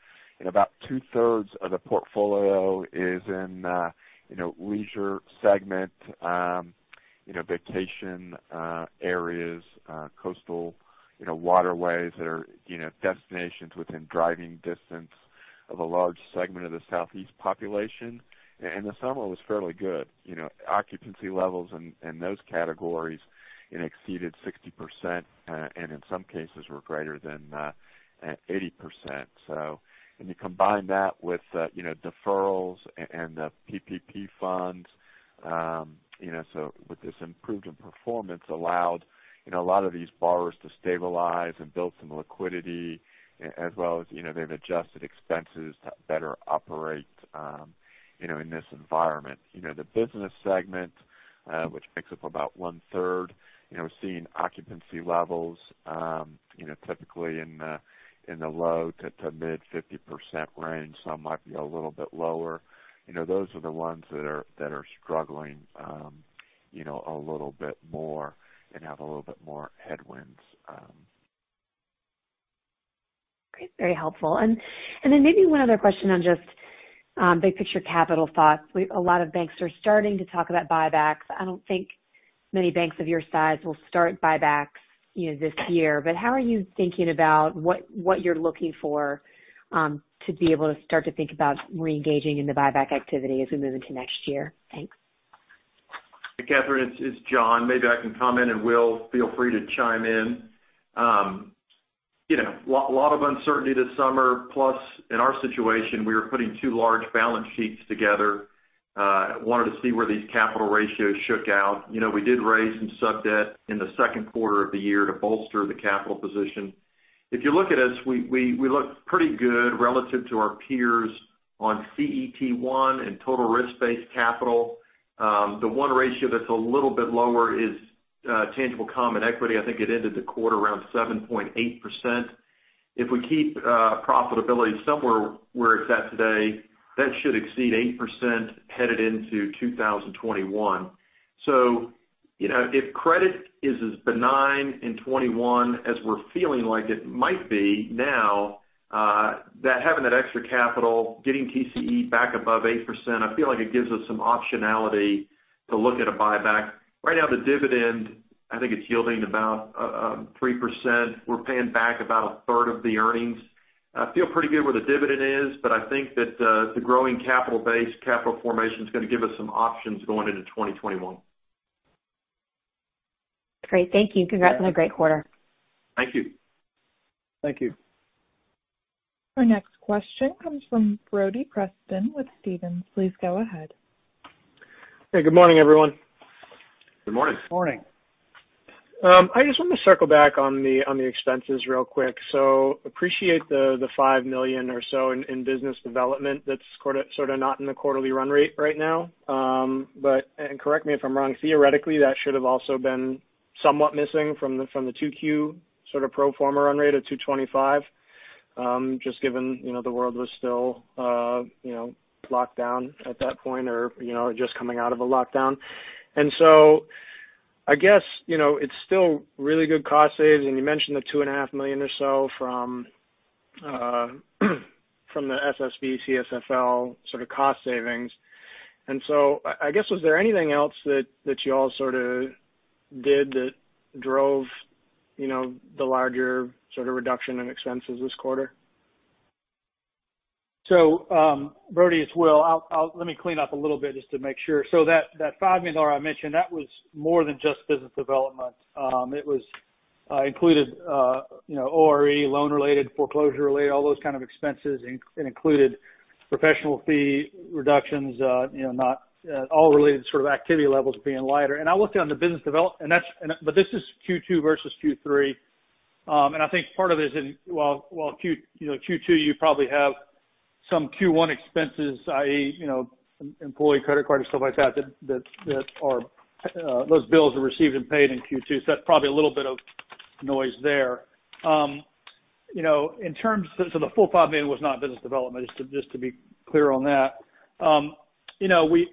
Speaker 9: About two-thirds of the portfolio is in leisure segment, vacation areas, coastal waterways that are destinations within driving distance of a large segment of the Southeast population. The summer was fairly good. Occupancy levels in those categories exceeded 60%. In some cases were greater than 80%. You combine that with deferrals and the PPP funds. With this improvement in performance allowed a lot of these borrowers to stabilize and build some liquidity, as well as they've adjusted expenses to better operate in this environment. The business segment which makes up about one-third, seeing occupancy levels typically in the low to mid 50% range. Some might be a little bit lower. Those are the ones that are struggling a little bit more and have a little bit more headwinds.
Speaker 10: Great, very helpful. Then maybe one other question on just big picture capital thoughts. A lot of banks are starting to talk about buybacks. I don't think many banks of your size will start buybacks this year. How are you thinking about what you're looking for to be able to start to think about reengaging in the buyback activity as we move into next year? Thanks.
Speaker 4: Catherine, it's John. Maybe I can comment and Will, feel free to chime in. A lot of uncertainty this summer, plus in our situation, we were putting two large balance sheets together, wanted to see where these capital ratios shook out. We did raise some sub-debt in the second quarter of the year to bolster the capital position. If you look at us, we look pretty good relative to our peers on CET1 and total risk-based capital. The one ratio that's a little bit lower is tangible common equity. I think it ended the quarter around 7.8%. If we keep profitability somewhere where it's at today, that should exceed 8% headed into 2021. If credit is as benign in 2021 as we're feeling like it might be now, having that extra capital, getting TCE back above 8%, I feel like it gives us some optionality to look at a buyback. Right now, the dividend, I think it's yielding about 3%. We're paying back about a third of the earnings. I feel pretty good where the dividend is, but I think that the growing capital base, capital formation is going to give us some options going into 2021.
Speaker 10: Great. Thank you. Congrats on a great quarter.
Speaker 4: Thank you.
Speaker 2: Thank you.
Speaker 1: Our next question comes from Brody Preston with Stephens. Please go ahead.
Speaker 11: Hey, good morning, everyone.
Speaker 6: Good morning.
Speaker 2: Morning.
Speaker 11: I just wanted to circle back on the expenses real quick. Appreciate the $5 million or so in business development that's sort of not in the quarterly run rate right now. Correct me if I'm wrong, theoretically, that should have also been somewhat missing from the Q2 sort of pro forma run rate of $225 million, just given the world was still locked down at that point or just coming out of a lockdown. I guess, it's still really good cost savings, and you mentioned the $2.5 million or so from the SSB/CSFL sort of cost savings. I guess, was there anything else that you all sort of did that drove the larger sort of reduction in expenses this quarter?
Speaker 2: Brody, it's Will. Let me clean up a little bit just to make sure. That $5 million I mentioned, that was more than just business development. It included ORE, loan related, foreclosure related, all those kind of expenses. It included professional fee reductions all related to sort of activity levels being lighter. I looked on the business development, this is Q2 versus Q3. I think part of it is in, while Q2 you probably have some Q1 expenses, i.e., employee credit card and stuff like that, those bills are received and paid in Q2. That's probably a little bit of noise there. The full $5 million was not business development, just to be clear on that. I would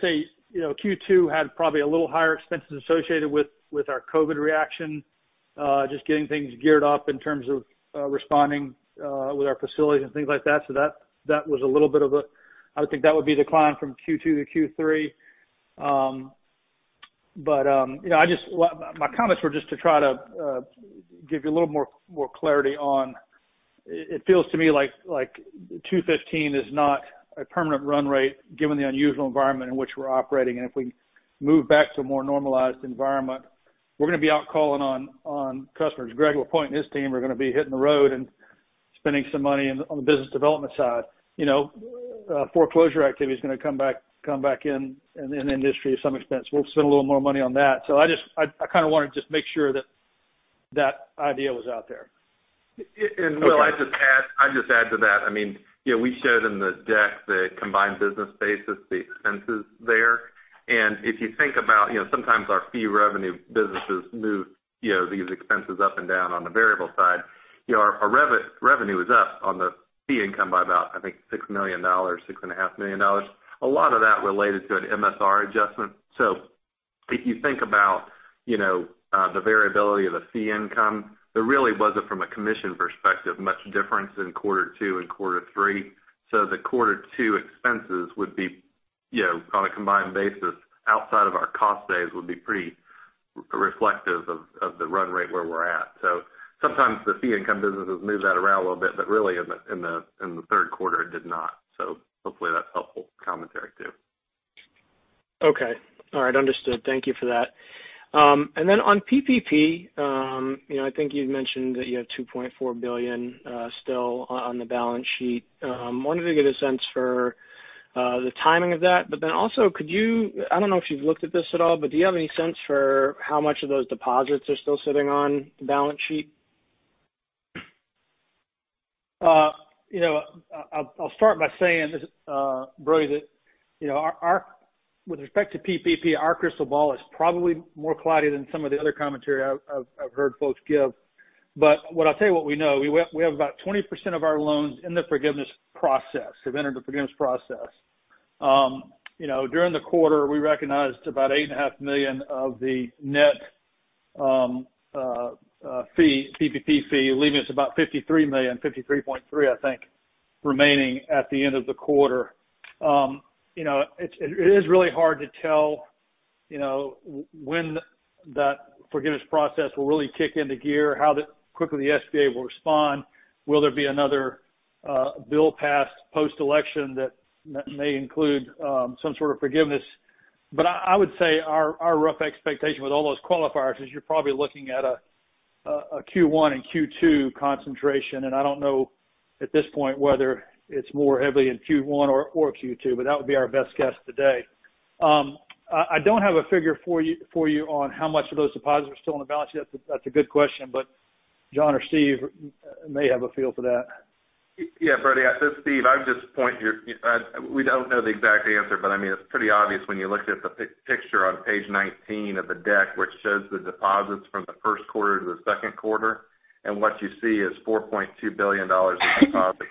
Speaker 2: say Q2 had probably a little higher expenses associated with our COVID reaction, just getting things geared up in terms of responding with our facilities and things like that. That was a little bit of a, I would think that would be the climb from Q2 to Q3. My comments were just to try to give you a little more clarity on. It feels to me like 215 is not a permanent run rate given the unusual environment in which we're operating. If we move back to a more normalized environment, we're going to be out calling on customers. Greg will appoint his team. We're going to be hitting the road and spending some money on the business development side. Foreclosure activity is going to come back in the industry to some extent. We'll spend a little more money on that. I kind of wanted to just make sure that that idea was out there.
Speaker 6: Will, I'd just add to that. We showed in the deck the combined business basis, the expenses there. If you think about, sometimes our fee revenue businesses move these expenses up and down on the variable side. Our revenue is up on the fee income by about, I think $6 million, $6.5 million. A lot of that related to an MSR adjustment. If you think about the variability of the fee income, there really wasn't from a commission perspective much difference in quarter two and quarter three. The quarter two expenses would be on a combined basis outside of our cost saves would be pretty reflective of the run rate where we're at. Sometimes the fee income businesses move that around a little bit, but really in the third quarter, it did not. Hopefully that's helpful commentary, too.
Speaker 11: Okay. All right. Understood. Thank you for that. On PPP, I think you'd mentioned that you have $2.4 billion still on the balance sheet. Wanted to get a sense for the timing of that. I don't know if you've looked at this at all, but do you have any sense for how much of those deposits are still sitting on the balance sheet?
Speaker 2: I'll start by saying, Brody, that with respect to PPP, our crystal ball is probably more cloudy than some of the other commentary I've heard folks give. What I'll tell you what we know, we have about 20% of our loans in the forgiveness process, have entered the forgiveness process. During the quarter, we recognized about $8.5 million of the net PPP fee, leaving us about $53 million, $53.3 million, I think, remaining at the end of the quarter. It is really hard to tell when that forgiveness process will really kick into gear, how quickly the SBA will respond. Will there be another bill passed post-election that may include some sort of forgiveness? I would say our rough expectation with all those qualifiers is you're probably looking at a Q1 and Q2 concentration, and I don't know at this point whether it's more heavily in Q1 or Q2, but that would be our best guess today. I don't have a figure for you on how much of those deposits are still on the balance sheet. That's a good question, but John or Steve may have a feel for that.
Speaker 6: Brody, this is Steve. We don't know the exact answer, but it's pretty obvious when you looked at the picture on page 19 of the deck, which shows the deposits from the first quarter to the second quarter. What you see is $4.2 billion in deposits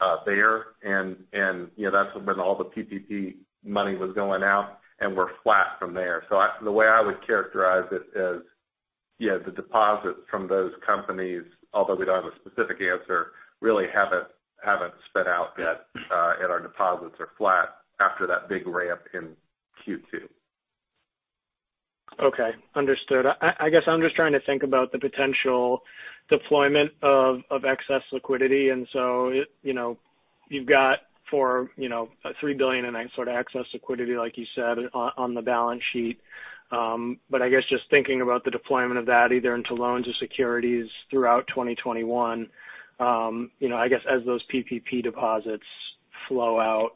Speaker 6: are there, and that's when all the PPP money was going out, and we're flat from there. The way I would characterize it is, the deposits from those companies, although we don't have a specific answer, really haven't spent out yet. Our deposits are flat after that big ramp in Q2.
Speaker 11: Okay. Understood. I guess I'm just trying to think about the potential deployment of excess liquidity. You've got $3 billion in excess liquidity, like you said, on the balance sheet. I guess just thinking about the deployment of that, either into loans or securities throughout 2021. I guess as those PPP deposits flow out,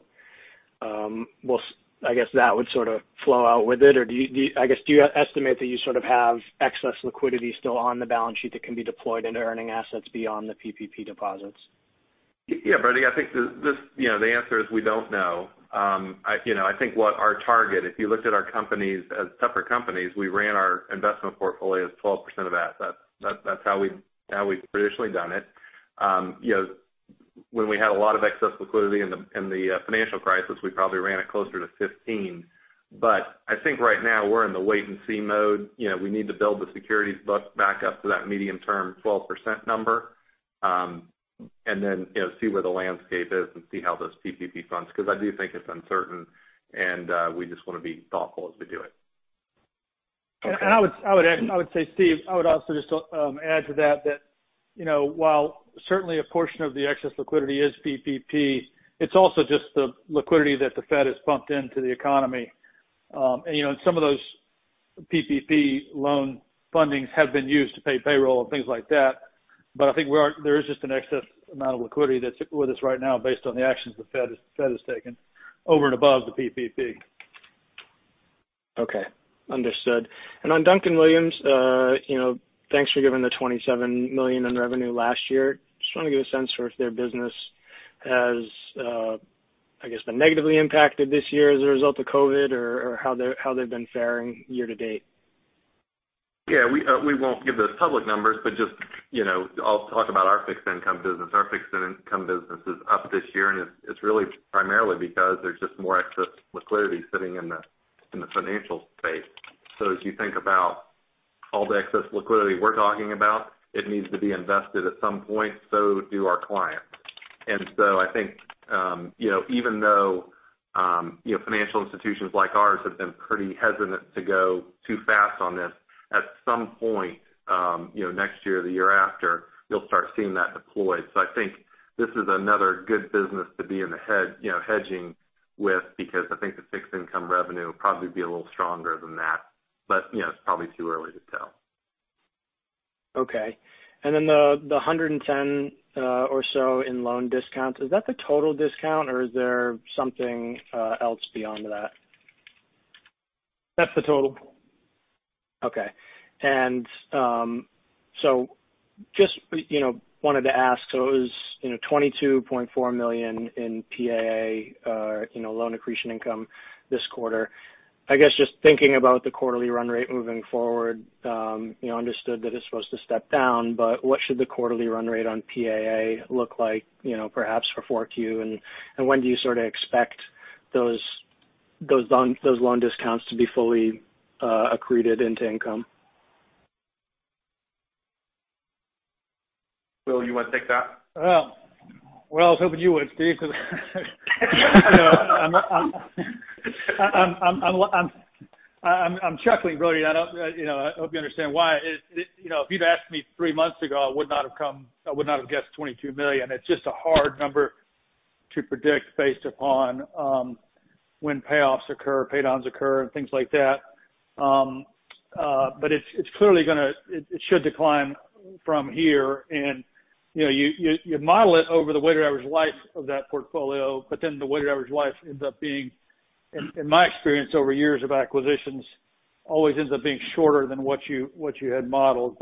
Speaker 11: I guess that would sort of flow out with it. I guess, do you estimate that you sort of have excess liquidity still on the balance sheet that can be deployed into earning assets beyond the PPP deposits?
Speaker 6: Yeah, Brody, I think the answer is we don't know. I think what our target, if you looked at our companies as separate companies, we ran our investment portfolio as 12% of assets. That's how we've traditionally done it. When we had a lot of excess liquidity in the financial crisis, we probably ran it closer to 15%. I think right now we're in the wait-and-see mode. We need to build the securities book back up to that medium-term 12% number. Then see where the landscape is and see how those PPP funds because I do think it's uncertain, and we just want to be thoughtful as we do it.
Speaker 11: Okay.
Speaker 2: I would say, Steve, I would also just add to that, while certainly a portion of the excess liquidity is PPP, it's also just the liquidity that the Fed has pumped into the economy. Some of those PPP loan fundings have been used to pay payroll and things like that. I think there is just an excess amount of liquidity that's with us right now based on the actions the Fed has taken over and above the PPP.
Speaker 11: Okay. Understood. On Duncan-Williams, Inc., thanks for giving the $27 million in revenue last year. Just want to get a sense for if their business has, I guess, been negatively impacted this year as a result of COVID or how they've been faring year-to-date.
Speaker 6: Yeah, we won't give those public numbers, but just, I'll talk about our fixed income business. Our fixed income business is up this year, and it's really primarily because there's just more excess liquidity sitting in the financial space. As you think about all the excess liquidity we're talking about, it needs to be invested at some point. Do our clients. I think, even though financial institutions like ours have been pretty hesitant to go too fast on this, at some point next year or the year after, you'll start seeing that deployed. I think this is another good business to be hedging with because I think the fixed income revenue will probably be a little stronger than that. It's probably too early to tell.
Speaker 11: Okay. Then the $110 or so in loan discounts, is that the total discount or is there something else beyond that?
Speaker 2: That's the total.
Speaker 11: Okay. just wanted to ask, it was $22.4 million in PAA loan accretion income this quarter. I guess just thinking about the quarterly run rate moving forward, understood that it's supposed to step down, but what should the quarterly run rate on PAA look like perhaps for Q4? when do you sort of expect those loan discounts to be fully accreted into income?
Speaker 6: Will, you want to take that?
Speaker 2: Well, I was hoping you would, Steve, because, I'm chuckling, Brody. I hope you understand why. If you'd asked me three months ago, I would not have guessed $22 million. It's just a hard number to predict based upon when payoffs occur, pay downs occur, and things like that. It should decline from here, and you model it over the weighted average life of that portfolio, but then the weighted average life ends up being, in my experience over years of acquisitions, always ends up being shorter than what you had modeled.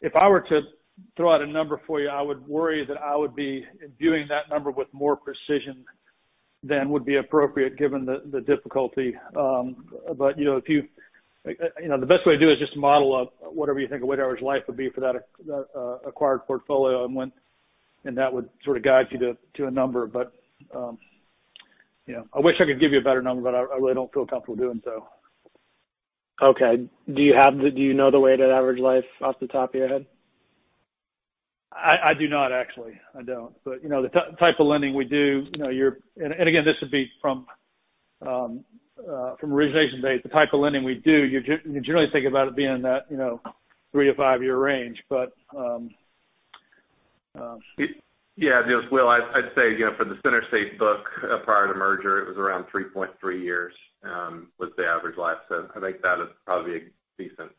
Speaker 2: If I were to throw out a number for you, I would worry that I would be imbuing that number with more precision than would be appropriate given the difficulty. The best way to do it is just to model up whatever you think a weighted average life would be for that acquired portfolio, and that would sort of guide you to a number. I wish I could give you a better number, but I really don't feel comfortable doing so.
Speaker 11: Okay. Do you know the weighted average life off the top of your head?
Speaker 2: I do not, actually. I don't. The type of lending we do, and again, this would be from origination date. The type of lending we do, you generally think about it being in that three or five-year range.
Speaker 4: Yeah. This is Will. I'd say for the CenterState book, prior to merger, it was around 3.3 years was the average life. I think that is probably a decent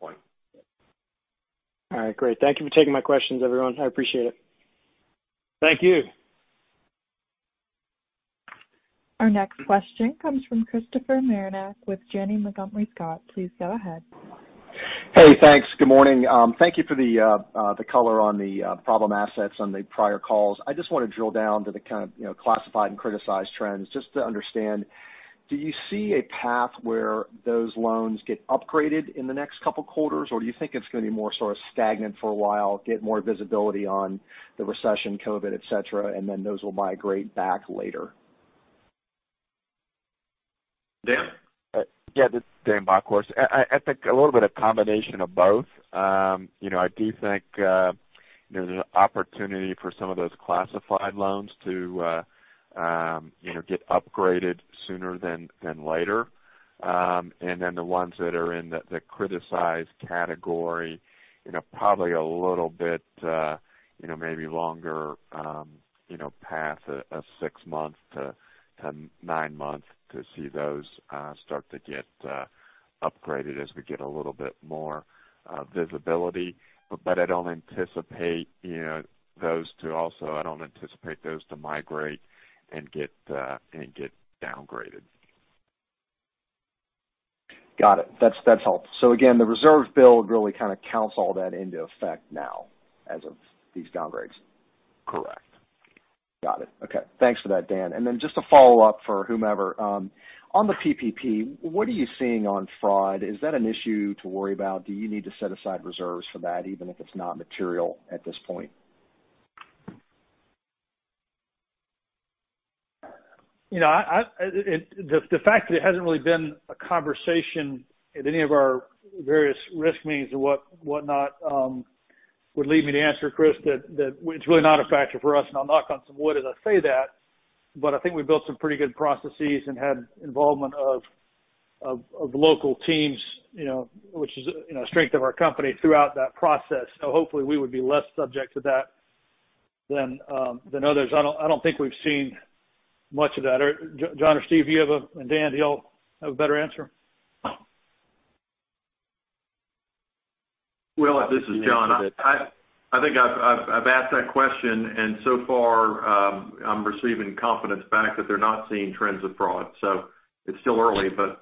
Speaker 4: point.
Speaker 11: All right, great. Thank you for taking my questions, everyone. I appreciate it.
Speaker 2: Thank you.
Speaker 1: Our next question comes from Christopher Marinac with Janney Montgomery Scott. Please go ahead.
Speaker 12: Hey, thanks. Good morning. Thank you for the color on the problem assets on the prior calls. I just want to drill down to the kind of classified and criticized trends, just to understand, do you see a path where those loans get upgraded in the next couple of quarters, or do you think it's going to be more sort of stagnant for a while, get more visibility on the recession, COVID, et cetera, and then those will migrate back later?
Speaker 4: Dan?
Speaker 9: Yeah, this is Dan Bockhorst. I think a little bit of combination of both. I do think there's an opportunity for some of those classified loans to get upgraded sooner than later. The ones that are in the criticized category, probably a little bit maybe longer path of six months to nine months to see those start to get upgraded as we get a little bit more visibility. I don't anticipate those to migrate and get downgraded.
Speaker 12: Got it. That's helpful. Again, the reserve build really kind of counts all that into effect now as of these downgrades?
Speaker 9: Correct.
Speaker 12: Got it. Okay, thanks for that, Dan. Just a follow-up for whomever. On the PPP, what are you seeing on fraud? Is that an issue to worry about? Do you need to set aside reserves for that, even if it's not material at this point?
Speaker 2: The fact that it hasn't really been a conversation at any of our various risk meetings and whatnot would lead me to answer, Chris, that it's really not a factor for us, and I'll knock on some wood as I say that. I think we built some pretty good processes and had involvement of local teams which is a strength of our company throughout that process. Hopefully, we would be less subject to that than others. I don't think we've seen much of that. John or Steve, and Dan, do y'all have a better answer?
Speaker 4: Will, this is John. I think I've asked that question, and so far, I'm receiving confidence back that they're not seeing trends of fraud. It's still early, but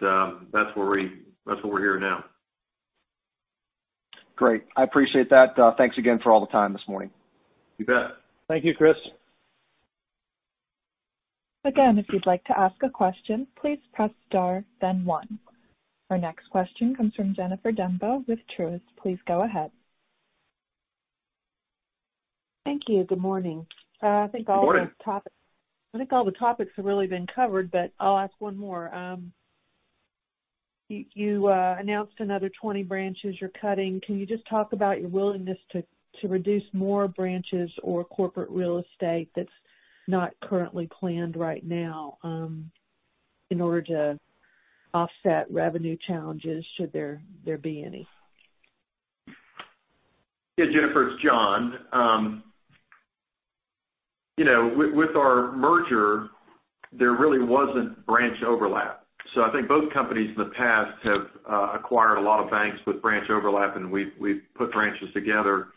Speaker 4: that's what we're hearing now.
Speaker 12: Great. I appreciate that. Thanks again for all the time this morning.
Speaker 4: You bet.
Speaker 2: Thank you, Chris.
Speaker 1: Okay, If you'd like to ask question press star then one. Our next question comes from Jennifer Demba with Truist. Please go ahead.
Speaker 13: Thank you. Good morning.
Speaker 2: Good morning.
Speaker 13: I think all the topics have really been covered, but I'll ask one more. You announced another 20 branches you're cutting. Can you just talk about your willingness to reduce more branches or corporate real estate that's not currently planned right now in order to offset revenue challenges, should there be any?
Speaker 4: Yeah, Jennifer, it's John. With our merger, there really wasn't branch overlap. I think both companies in the past have acquired a lot of banks with branch overlap, and we've put branches together.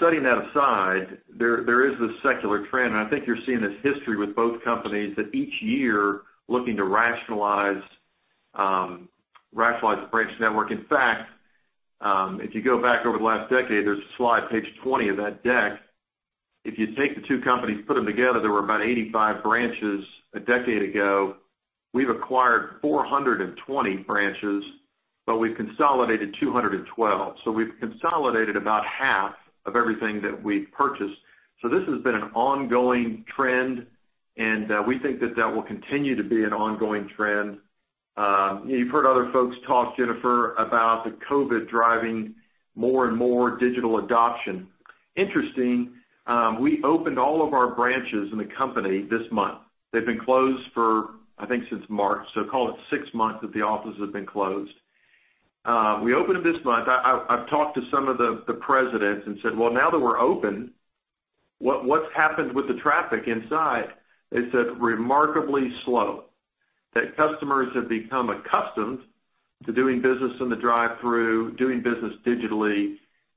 Speaker 4: Setting that aside, there is this secular trend, and I think you're seeing this history with both companies that each year looking to rationalize the branch network. In fact, if you go back over the last decade, there's a slide, page 20 of that deck. If you take the two companies, put them together, there were about 85 branches a decade ago. We've acquired 420 branches, but we've consolidated 212. We've consolidated about half of everything that we've purchased. This has been an ongoing trend, and we think that that will continue to be an ongoing trend. You've heard other folks talk, Jennifer, about the COVID driving more and more digital adoption. Interesting, we opened all of our branches in the company this month. They've been closed for, I think, since March, so call it six months that the office has been closed. We opened this month. I've talked to some of the presidents and said, "Well, now that we're open, what's happened with the traffic inside?" They said remarkably slow. Customers have become accustomed to doing business in the drive-through, doing business digitally,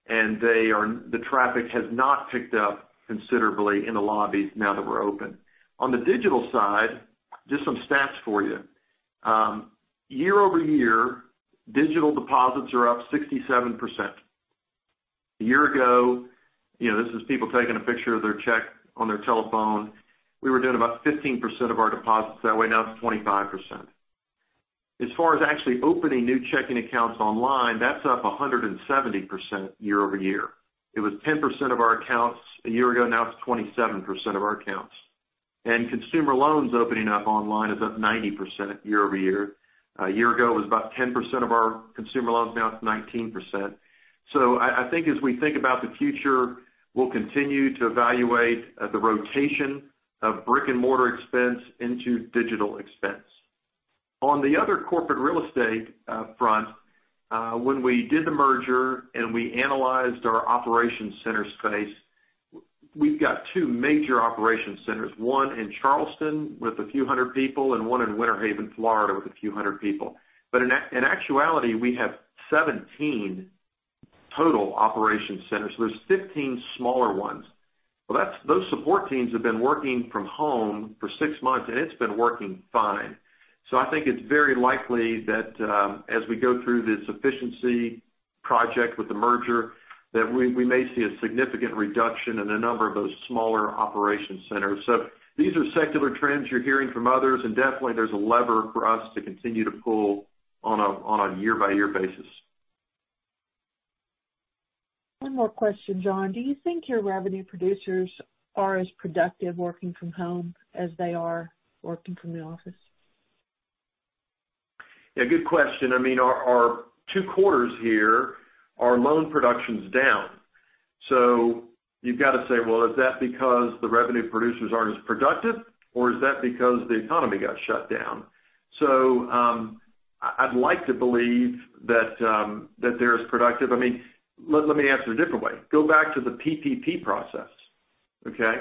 Speaker 4: and the traffic has not picked up considerably in the lobbies now that we're open. On the digital side, just some stats for you. Year-over-year, digital deposits are up 67%. A year ago, this is people taking a picture of their check on their telephone. We were doing about 15% of our deposits that way. Now it's 25%. As far as actually opening new checking accounts online, that's up 170% year-over-year. It was 10% of our accounts a year ago, now it's 27% of our accounts. Consumer loans opening up online is up 90% year-over-year. A year ago, it was about 10% of our consumer loans, now it's 19%. I think as we think about the future, we'll continue to evaluate the rotation of brick and mortar expense into digital expense. On the other corporate real estate front, when we did the merger and we analyzed our operations center space, we've got two major operations centers, one in Charleston with a few hundred people, and one in Winter Haven, Florida, with a few hundred people. In actuality, we have 17 total operations centers. There's 15 smaller ones. Those support teams have been working from home for six months, and it's been working fine. I think it's very likely that as we go through this efficiency project with the merger, that we may see a significant reduction in a number of those smaller operations centers. These are secular trends you're hearing from others, and definitely there's a lever for us to continue to pull on a year-by-year basis.
Speaker 13: One more question, John. Do you think your revenue producers are as productive working from home as they are working from the office?
Speaker 4: Yeah, good question. Our two quarters here, our loan production's down. You've got to say, well, is that because the revenue producers aren't as productive, or is that because the economy got shut down? I'd like to believe that they're as productive. Let me answer a different way. Go back to the PPP process, okay?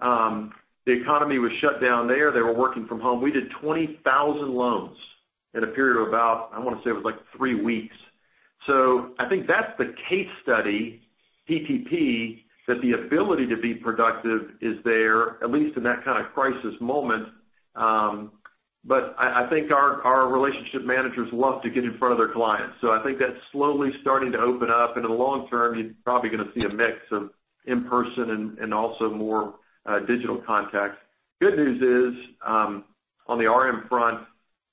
Speaker 4: The economy was shut down there. They were working from home. We did 20,000 loans in a period of about, I want to say it was like three weeks. I think that's the case study, PPP, that the ability to be productive is there, at least in that kind of crisis moment. I think our relationship managers love to get in front of their clients. I think that's slowly starting to open up. In the long term, you're probably going to see a mix of in-person and also more digital contacts. Good news is, on the RM front,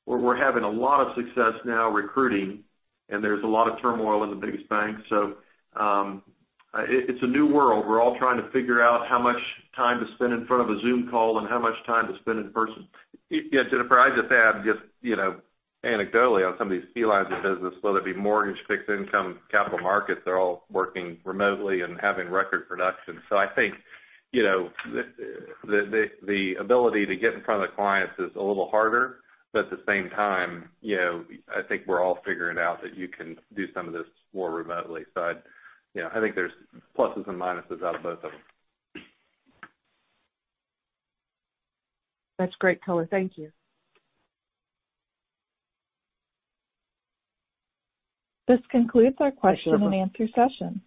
Speaker 4: we're having a lot of success now recruiting, and there's a lot of turmoil in the biggest banks. It's a new world. We're all trying to figure out how much time to spend in front of a Zoom call and how much time to spend in person.
Speaker 6: Jennifer, I'd just add just anecdotally on some of these lines of business, whether it be mortgage, fixed income, capital markets, they're all working remotely and having record production. I think the ability to get in front of the clients is a little harder. At the same time, I think we're all figuring out that you can do some of this more remotely. I think there's pluses and minuses out of both of them.
Speaker 1: That's great color. Thank you. This concludes our question and answer session.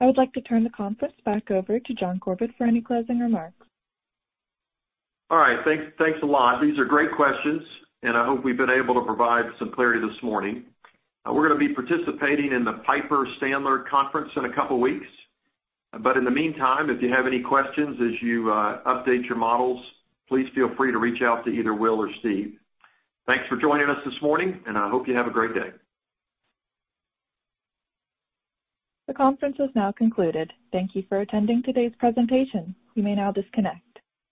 Speaker 1: I would like to turn the conference back over to John Corbett for any closing remarks.
Speaker 4: All right. Thanks a lot. These are great questions, and I hope we've been able to provide some clarity this morning. We're going to be participating in the Piper Sandler conference in a couple of weeks. In the meantime, if you have any questions as you update your models, please feel free to reach out to either Will or Steve. Thanks for joining us this morning, and I hope you have a great day.
Speaker 1: The conference has now concluded. Thank you for attending today's presentation. You may now disconnect.